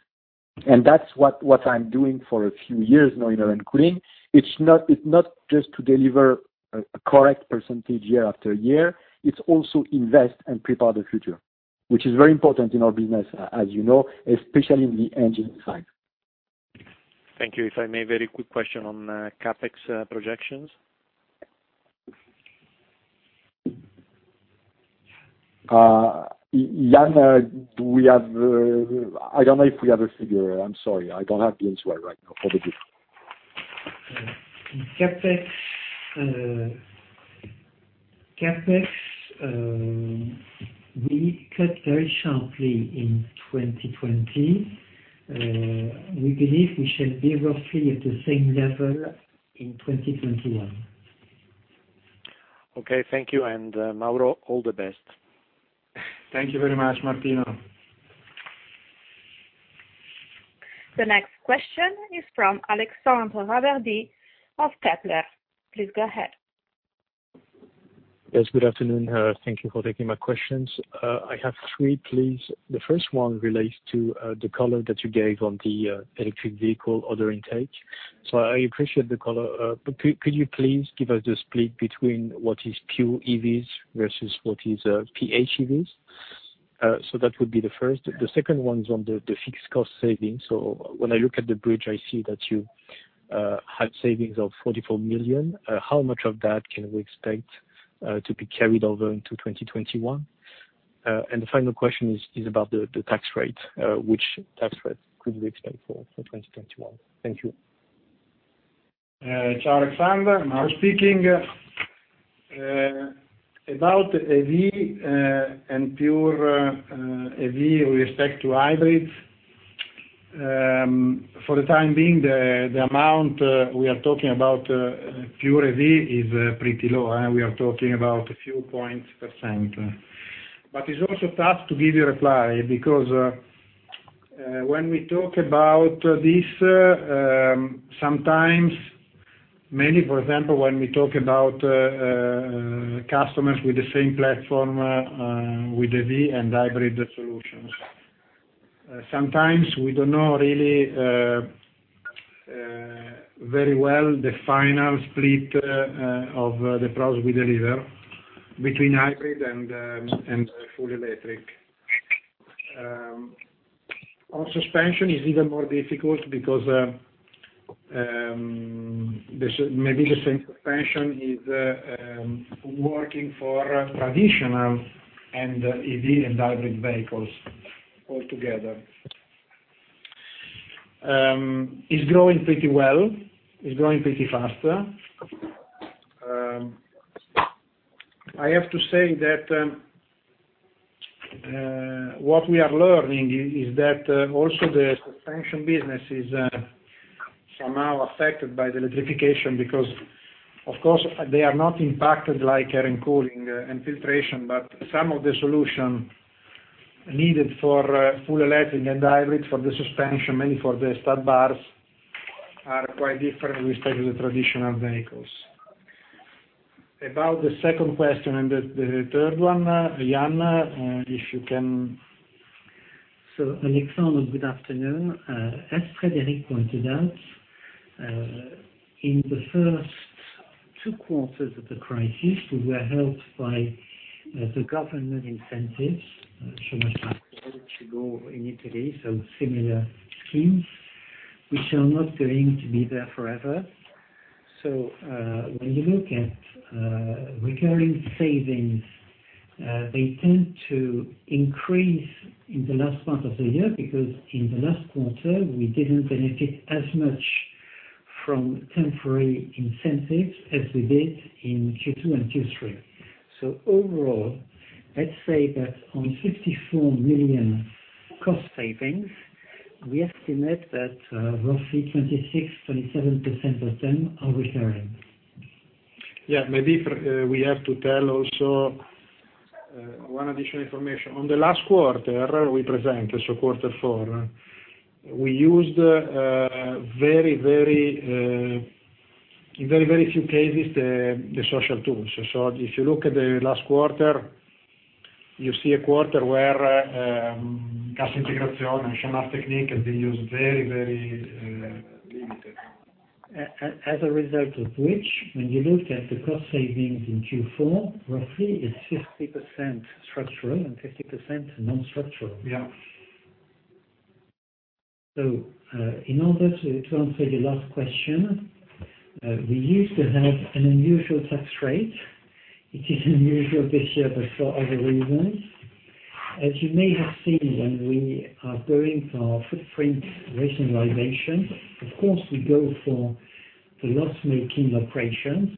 That's what I'm doing for a few years now in Air and Cooling. It's not just to deliver a correct percentage year after year. It's also invest and prepare the future, which is very important in our business as you know, especially in the engine side. Thank you. If I may, very quick question on CapEx projections. Yann, I don't know if we have a figure. I'm sorry. I don't have the answer right now for the group. In CapEx, we cut very sharply in 2020. We believe we shall be roughly at the same level in 2021. Okay, thank you. Mauro, all the best. Thank you very much, Martino. The next question is from Alexandre Rabardy of Kepler. Please go ahead. Yes, good afternoon. Thank you for taking my questions. I have three, please. The first one relates to the color that you gave on the electric vehicle order intake. I appreciate the color. Could you please give us the split between what is pure EVs versus what is PHEVs? That would be the first. The second one is on the fixed cost savings. When I look at the bridge, I see that you had savings of 44 million. How much of that can we expect to be carried over into 2021? The final question is about the tax rate. Which tax rate could we expect for 2021? Thank you. Ciao, Alexandre. Mauro speaking. About EV and pure EV with respect to hybrids. For the time being, the amount we are talking about pure EV is pretty low. We are talking about a few points percent. It's also tough to give you a reply, because when we talk about this, sometimes, many, for example, when we talk about customers with the same platform with EV and hybrid solutions. Sometimes we don't know really very well the final split of the products we deliver between hybrid and full electric. On suspension is even more difficult because maybe the same suspension is working for traditional and EV and hybrid vehicles altogether. It's growing pretty well, it's growing pretty faster. I have to say that what we are learning is that also the suspension business is somehow affected by the electrification because, of course, they are not impacted like Air and Cooling and filtration, but some of the solution needed for full electric and hybrid for the suspension, mainly for the stabilizer bars, are quite different, especially the traditional vehicles. About the second question and the third one, Yann, if you can. Alexandre, good afternoon. As Frédéric pointed out, in the first two quarters of the crisis, we were helped by the government incentives, so much like those in Italy, so similar schemes, which are not going to be there forever. When you look at recurring savings, they tend to increase in the last part of the year because in the last quarter, we didn't benefit as much from temporary incentives as we did in Q2 and Q3. Overall, let's say that on 54 million cost savings, we estimate that roughly 26%, 27% of them are recurring. Yeah. Maybe we have to tell also one additional information. On the last quarter we present, so quarter four, we used in very few cases, the social tools. If you look at the last quarter, you see a quarter where Cassa Integrazione and Chômage Technique have been used very limited. As a result of which, when you look at the cost savings in Q4, roughly is 50% structural and 50% non-structural. Yeah. In order to answer your last question, we used to have an unusual tax rate, which is unusual this year, but for other reasons. As you may have seen, when we are going for footprint rationalization, of course, we go for the loss-making operations.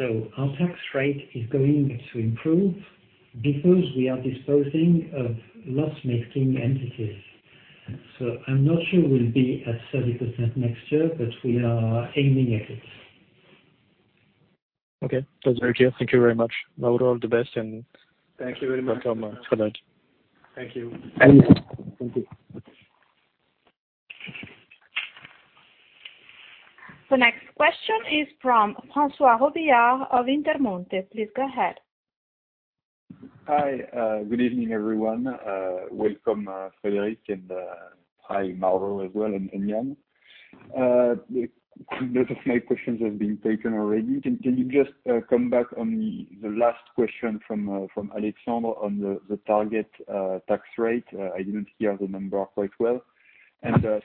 Our tax rate is going to improve because we are disposing of loss-making entities. I'm not sure we'll be at 30% next year, but we are aiming at it. Okay. That's very clear. Thank you very much. Mauro, all the best. Thank you very much. welcome, Frédéric. Thank you. Thank you. Thank you. The next question is from François Robillard of Intermonte. Please go ahead. Hi. Good evening, everyone. Welcome, Frédéric, and hi, Mauro, as well, and Yann. Most of my questions have been taken already. Can you just come back on the last question from Alexandre on the target tax rate? I didn't hear the number quite well.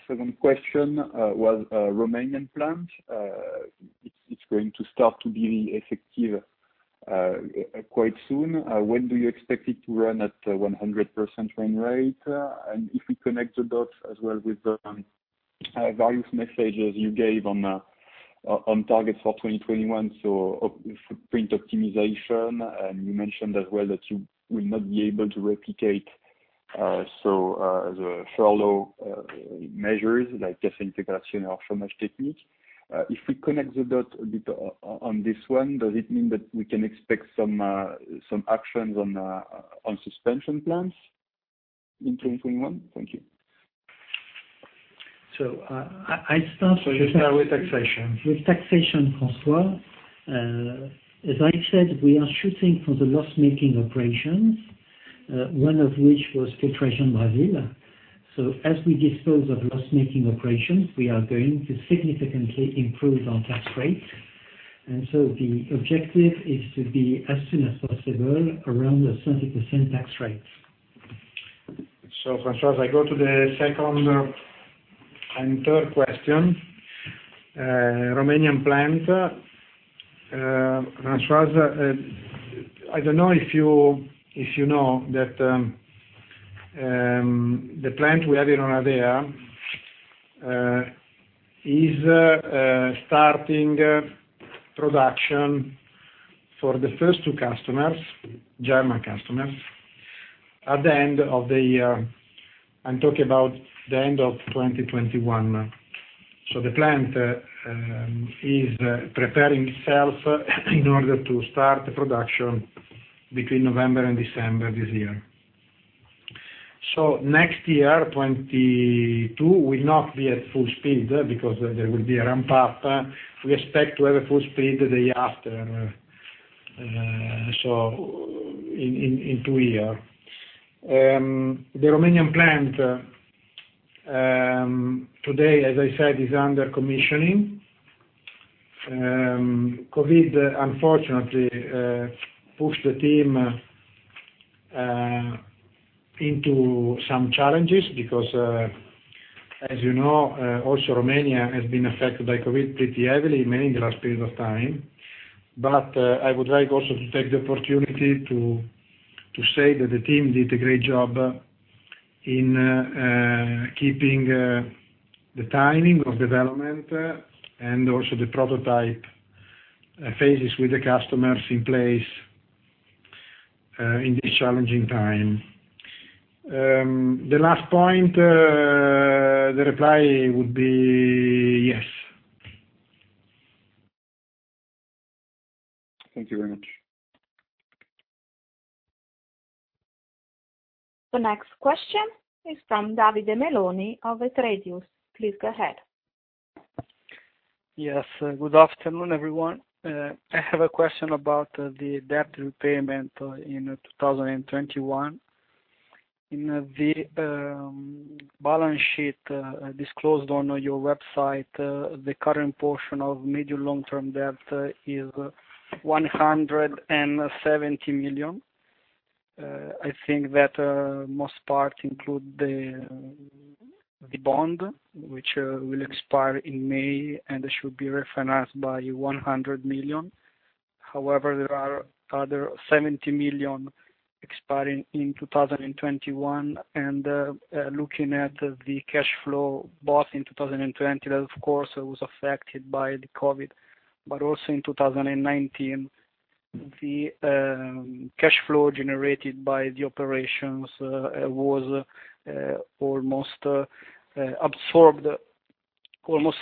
Second question was Romanian plant. It's going to start to be effective quite soon. When do you expect it to run at 100% run rate? If we connect the dots as well with the various messages you gave on targets for 2021, so footprint optimization, and you mentioned as well that you will not be able to replicate, so the furlough measures like Cassa Integrazione or Chômage Technique. If we connect the dot a bit on this one, does it mean that we can expect some actions on suspension plans in 2021? Thank you. I start- You start with taxation. With taxation, François. As I said, we are shooting for the loss-making operations, one of which was Filtration Brasil. As we dispose of loss-making operations, we are going to significantly improve our tax rate. The objective is to be, as soon as possible, around a 30% tax rate. François, I go to the second and third question. Romanian plant. François, I don't know if you know that the plant we have in Oradea is starting production. For the first two customers, German customers, at the end of the year, I'm talking about the end of 2021. The plant is preparing itself in order to start production between November and December this year. Next year, 2022, will not be at full speed because there will be a ramp-up. We expect to have a full speed the year after, so in two years. The Romanian plant, today, as I said, is under commissioning. COVID, unfortunately, pushed the team into some challenges because, as you know, also Romania has been affected by COVID pretty heavily, mainly in the last period of time. I would like also to take the opportunity to say that the team did a great job in keeping the timing of development and also the prototype phases with the customers in place in this challenging time. The last point, the reply would be yes. Thank you very much. The next question is from Davide Meloni of Trade Use. Please go ahead. Yes. Good afternoon, everyone. I have a question about the debt repayment in 2021. In the balance sheet disclosed on your website, the current portion of medium long-term debt is 170 million. I think that most part includes the bond which will expire in May and should be refinanced by 100 million. However, there are other 70 million expiring in 2021. Looking at the cash flow, both in 2020, that of course, was affected by the COVID, but also in 2019, the cash flow generated by the operations was almost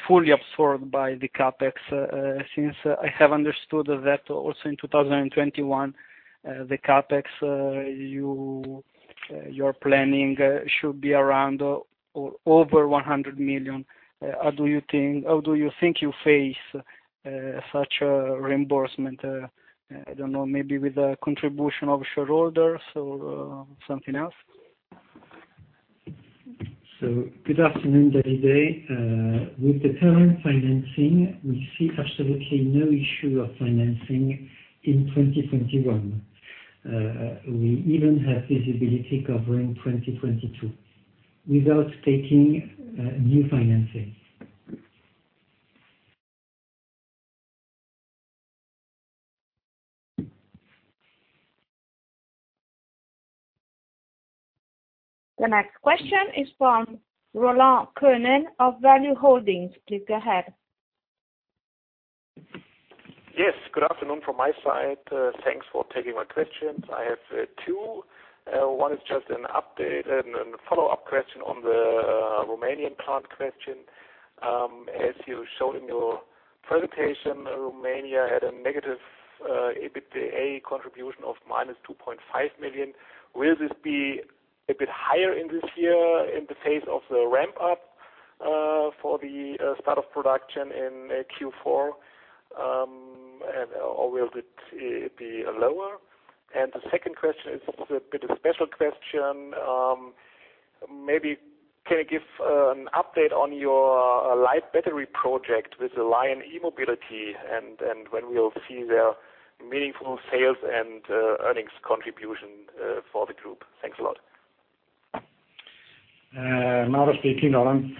fully absorbed by the CapEx. Since I have understood that also in 2021, the CapEx, your planning should be around, or over 100 million. How do you think you face such a reimbursement? I don't know, maybe with the contribution of shareholders or something else. Good afternoon, Davide. With the current financing, we see absolutely no issue of financing in 2021. We even have visibility covering 2022 without taking new financing. The next question is from Roland Koning of Value-Holdings. Please go ahead. Yes, good afternoon from my side. Thanks for taking my questions. I have two. One is just an update and a follow-up question on the Romanian plant question. As you showed in your presentation, Romania had a negative EBITDA contribution of -2.5 million. Will this be a bit higher in this year in the face of the ramp-up for the start of production in Q4? Or will it be lower? The second question is a bit of special question. Maybe can you give an update on your Light Battery project with Lion E-Mobility and when we'll see their meaningful sales and earnings contribution for the group? Thanks a lot. Mauro speaking, Roland.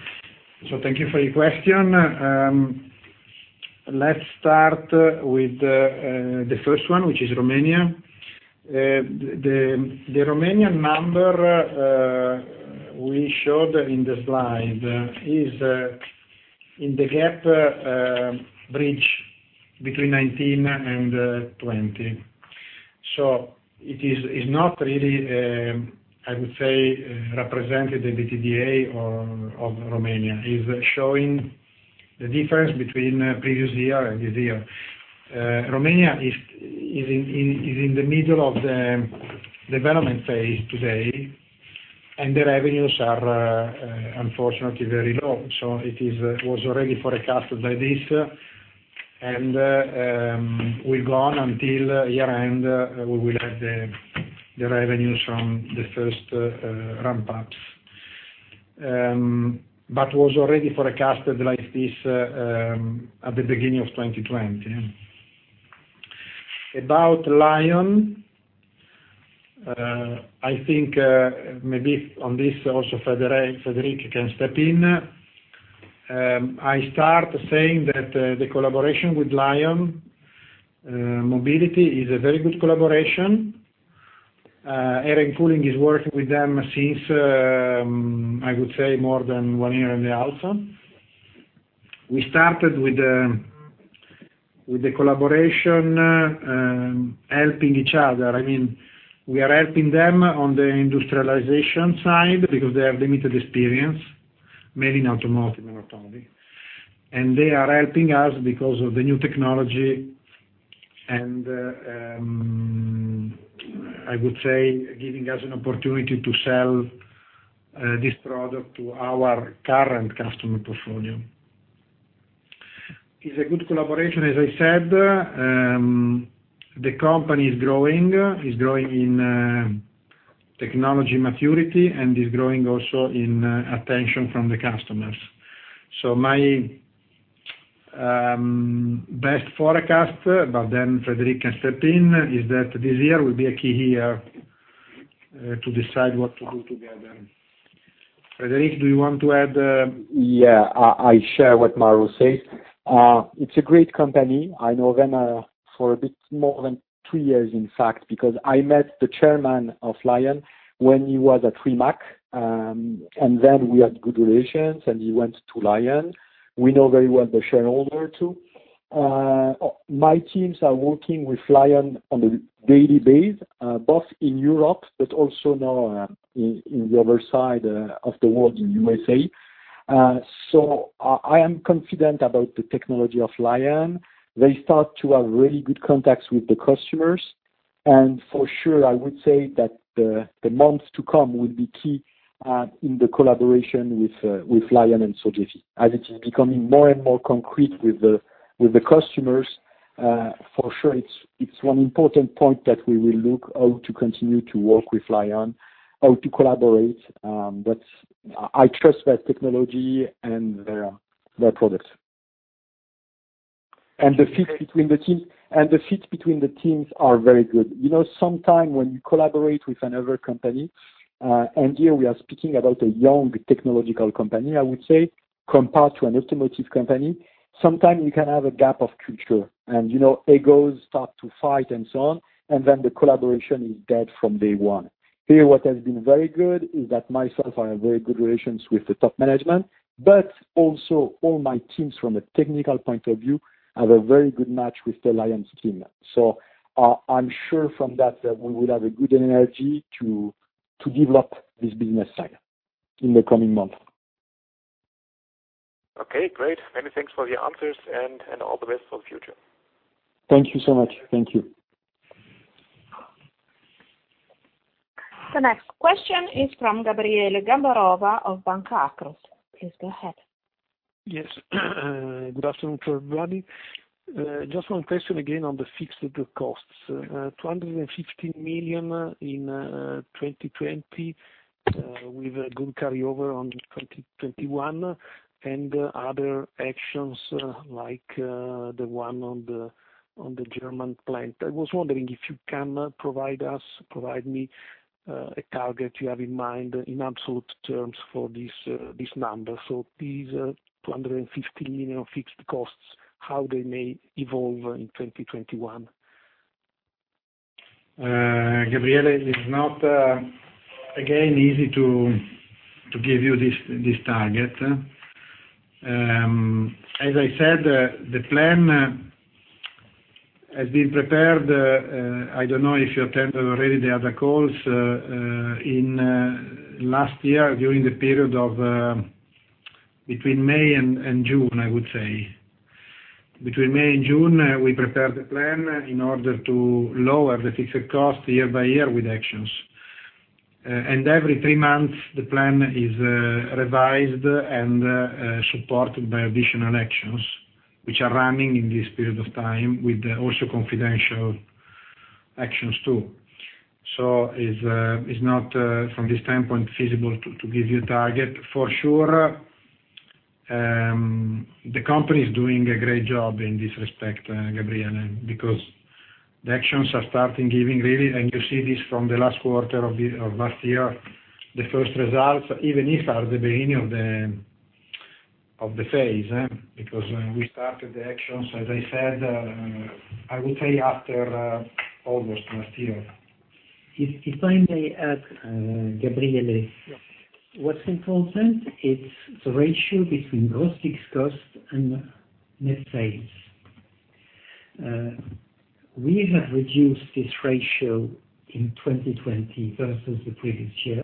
Thank you for your question. Let's start with the first one, which is Romania. The Romanian number we showed in the slide is in the gap bridge between 2019 and 2020. It is not really, I would say, represented EBITDA of Romania. It's showing the difference between previous year and this year. Romania is in the middle of the development phase today, and the revenues are, unfortunately, very low. It was already forecasted like this, and will go on until year-end. We will have the revenues from the first ramp-ups, but was already forecasted like this at the beginning of 2020. About Lion, I think maybe on this also Frédéric can step in. I start saying that the collaboration with Lion E-Mobility is a very good collaboration. Air and Cooling is working with them since, I would say, more than one year and a half. We started with the collaboration, helping each other. We are helping them on the industrialization side because they have limited experience, maybe in automotive, not only. They are helping us because of the new technology, and, I would say, giving us an opportunity to sell this product to our current customer portfolio. It's a good collaboration, as I said. The company is growing, is growing in technology maturity, and is growing also in attention from the customers. My best forecast, but then Frédéric can step in, is that this year will be a key year to decide what to do together. Frédéric, do you want to add? Yeah, I share what Mauro says. It's a great company. I know them for a bit more than two years, in fact, because I met the chairman of Lion E-Mobility when he was at Rimac, and then we had good relations, and he went to Lion E-Mobility. We know very well the shareholder, too. My teams are working with Lion E-Mobility on a daily basis, both in Europe but also now in the other side of the world, in USA. I am confident about the technology of Lion. They start to have really good contacts with the customers, and for sure, I would say that the months to come will be key in the collaboration with Lion and Sogefi. As it is becoming more and more concrete with the customers, for sure, it's one important point that we will look how to continue to work with Lion E-Mobility, how to collaborate. I trust their technology and their product. The fit between the teams are very good. Sometimes when you collaborate with another company, here we are speaking about a young technological company, I would say, compared to an automotive company, sometimes you can have a gap of culture and egos start to fight and so on, then the collaboration is dead from day one. Here, what has been very good is that myself, I have very good relations with the top management, but also all my teams from a technical point of view, have a very good match with the Lion team. I'm sure from that, we will have a good energy to develop this business side in the coming month. Okay, great. Many thanks for your answers and all the best for the future. Thank you so much. Thank you. The next question is from Gabriele Gambarova of Banca Akros. Please go ahead. Yes. Good afternoon to everybody. One question again on the fixed costs. 215 million in 2020, with a good carryover on the 2021 and other actions like the one on the German plant. I was wondering if you can provide us, provide me, a target you have in mind in absolute terms for this number. These 215 million of fixed costs, how they may evolve in 2021? Gabriele, it is not, again, easy to give you this target. As I said, the plan has been prepared, I don't know if you attended already the other calls, in last year, during the period of between May and June, I would say. Between May and June, we prepared the plan in order to lower the fixed cost year by year with actions. Every three months, the plan is revised and supported by additional actions which are running in this period of time with also confidential actions, too. It's not, from this standpoint, feasible to give you a target. For sure, the company is doing a great job in this respect, Gabriele, because the actions are starting giving really, and you see this from the last quarter of last year, the first results, even if are the beginning of the phase. We started the actions, as I said, I would say after August last year. If I may add, Gabriele. Yeah. What's important is the ratio between gross fixed costs and net sales. We have reduced this ratio in 2020 versus the previous year.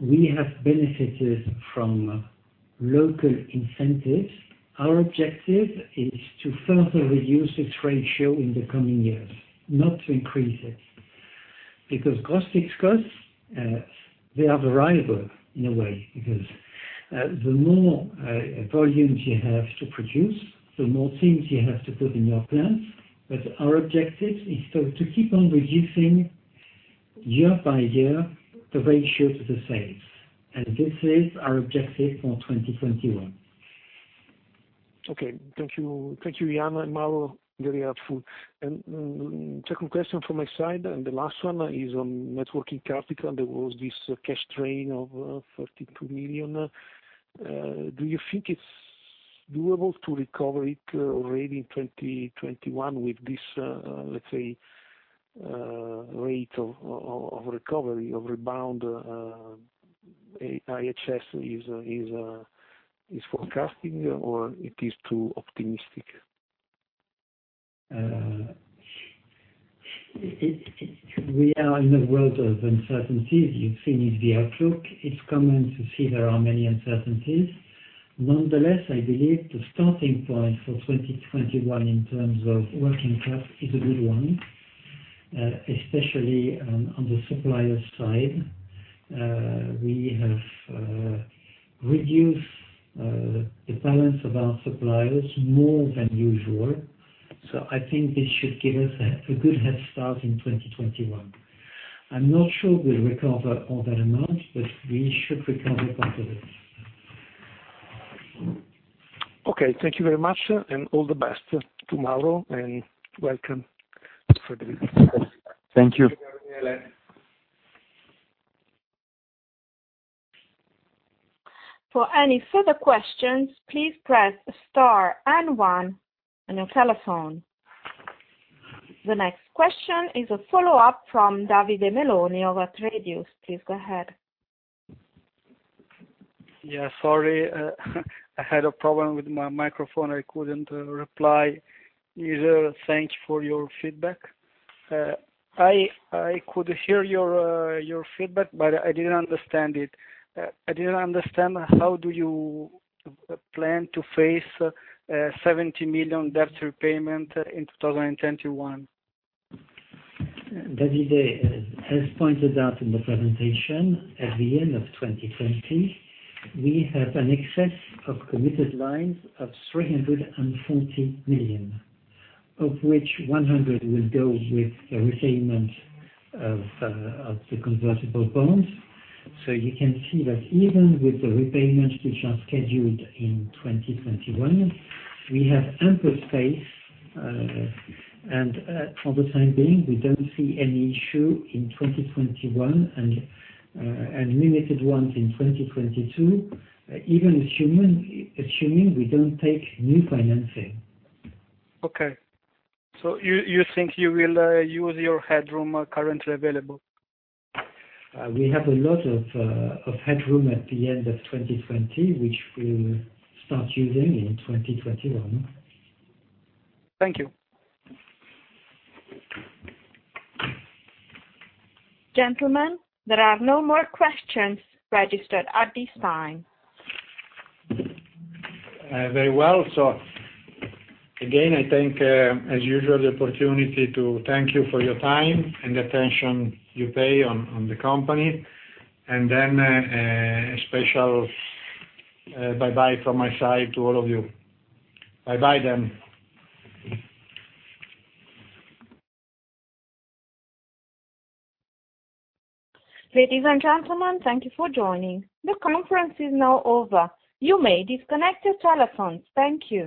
We have benefited from local incentives. Our objective is to further reduce this ratio in the coming years, not to increase it, because gross fixed costs, they are variable in a way. The more volumes you have to produce, the more things you have to put in your plant. Our objective is to keep on reducing year by year the ratio to the sales, and this is our objective for 2021. Okay. Thank you. Thank you, Yann and Mauro. Very helpful. Second question from my side, and the last one is on net working capital. There was this cash drain of 32 million. Do you think it's doable to recover it already in 2021 with this, let's say, rate of recovery, of rebound IHS is forecasting or it is too optimistic? We are in a world of uncertainties. You've seen it, the outlook. It's common to see there are many uncertainties. I believe the starting point for 2021 in terms of working capital is a good one, especially on the supplier side. We have reduced the balance of our suppliers more than usual. I think this should give us a good head start in 2021. I'm not sure we'll recover all that amount, but we should recover part of it. Okay. Thank you very much, and all the best tomorrow, and welcome, Frédéric. Thank you. Thank you, Gabriele. For any further questions, please press Star and one on your telephone. The next question is a follow-up from Davide Meloni over at Trade Use. Please go ahead. Yeah, sorry. I had a problem with my microphone. I couldn't reply. Yann, thanks for your feedback. I could hear your feedback, but I didn't understand it. I didn't understand how do you plan to face a 70 million debt repayment in 2021. Davide, as pointed out in the presentation, at the end of 2020, we have an excess of committed lines of 340 million, of which 100 million will go with the repayment of the convertible bonds. You can see that even with the repayments which are scheduled in 2021, we have ample space. For the time being, we don't see any issue in 2021 and limited ones in 2022, even assuming we don't take new financing. Okay. You think you will use your headroom currently available? We have a lot of headroom at the end of 2020, which we'll start using in 2021. Thank you. Gentlemen, there are no more questions registered at this time. Very well. Again, I take, as usual, the opportunity to thank you for your time and the attention you pay on the company. A special bye-bye from my side to all of you. Bye-bye. Ladies and gentlemen, thank you for joining. The conference is now over. You may disconnect your telephones. Thank you.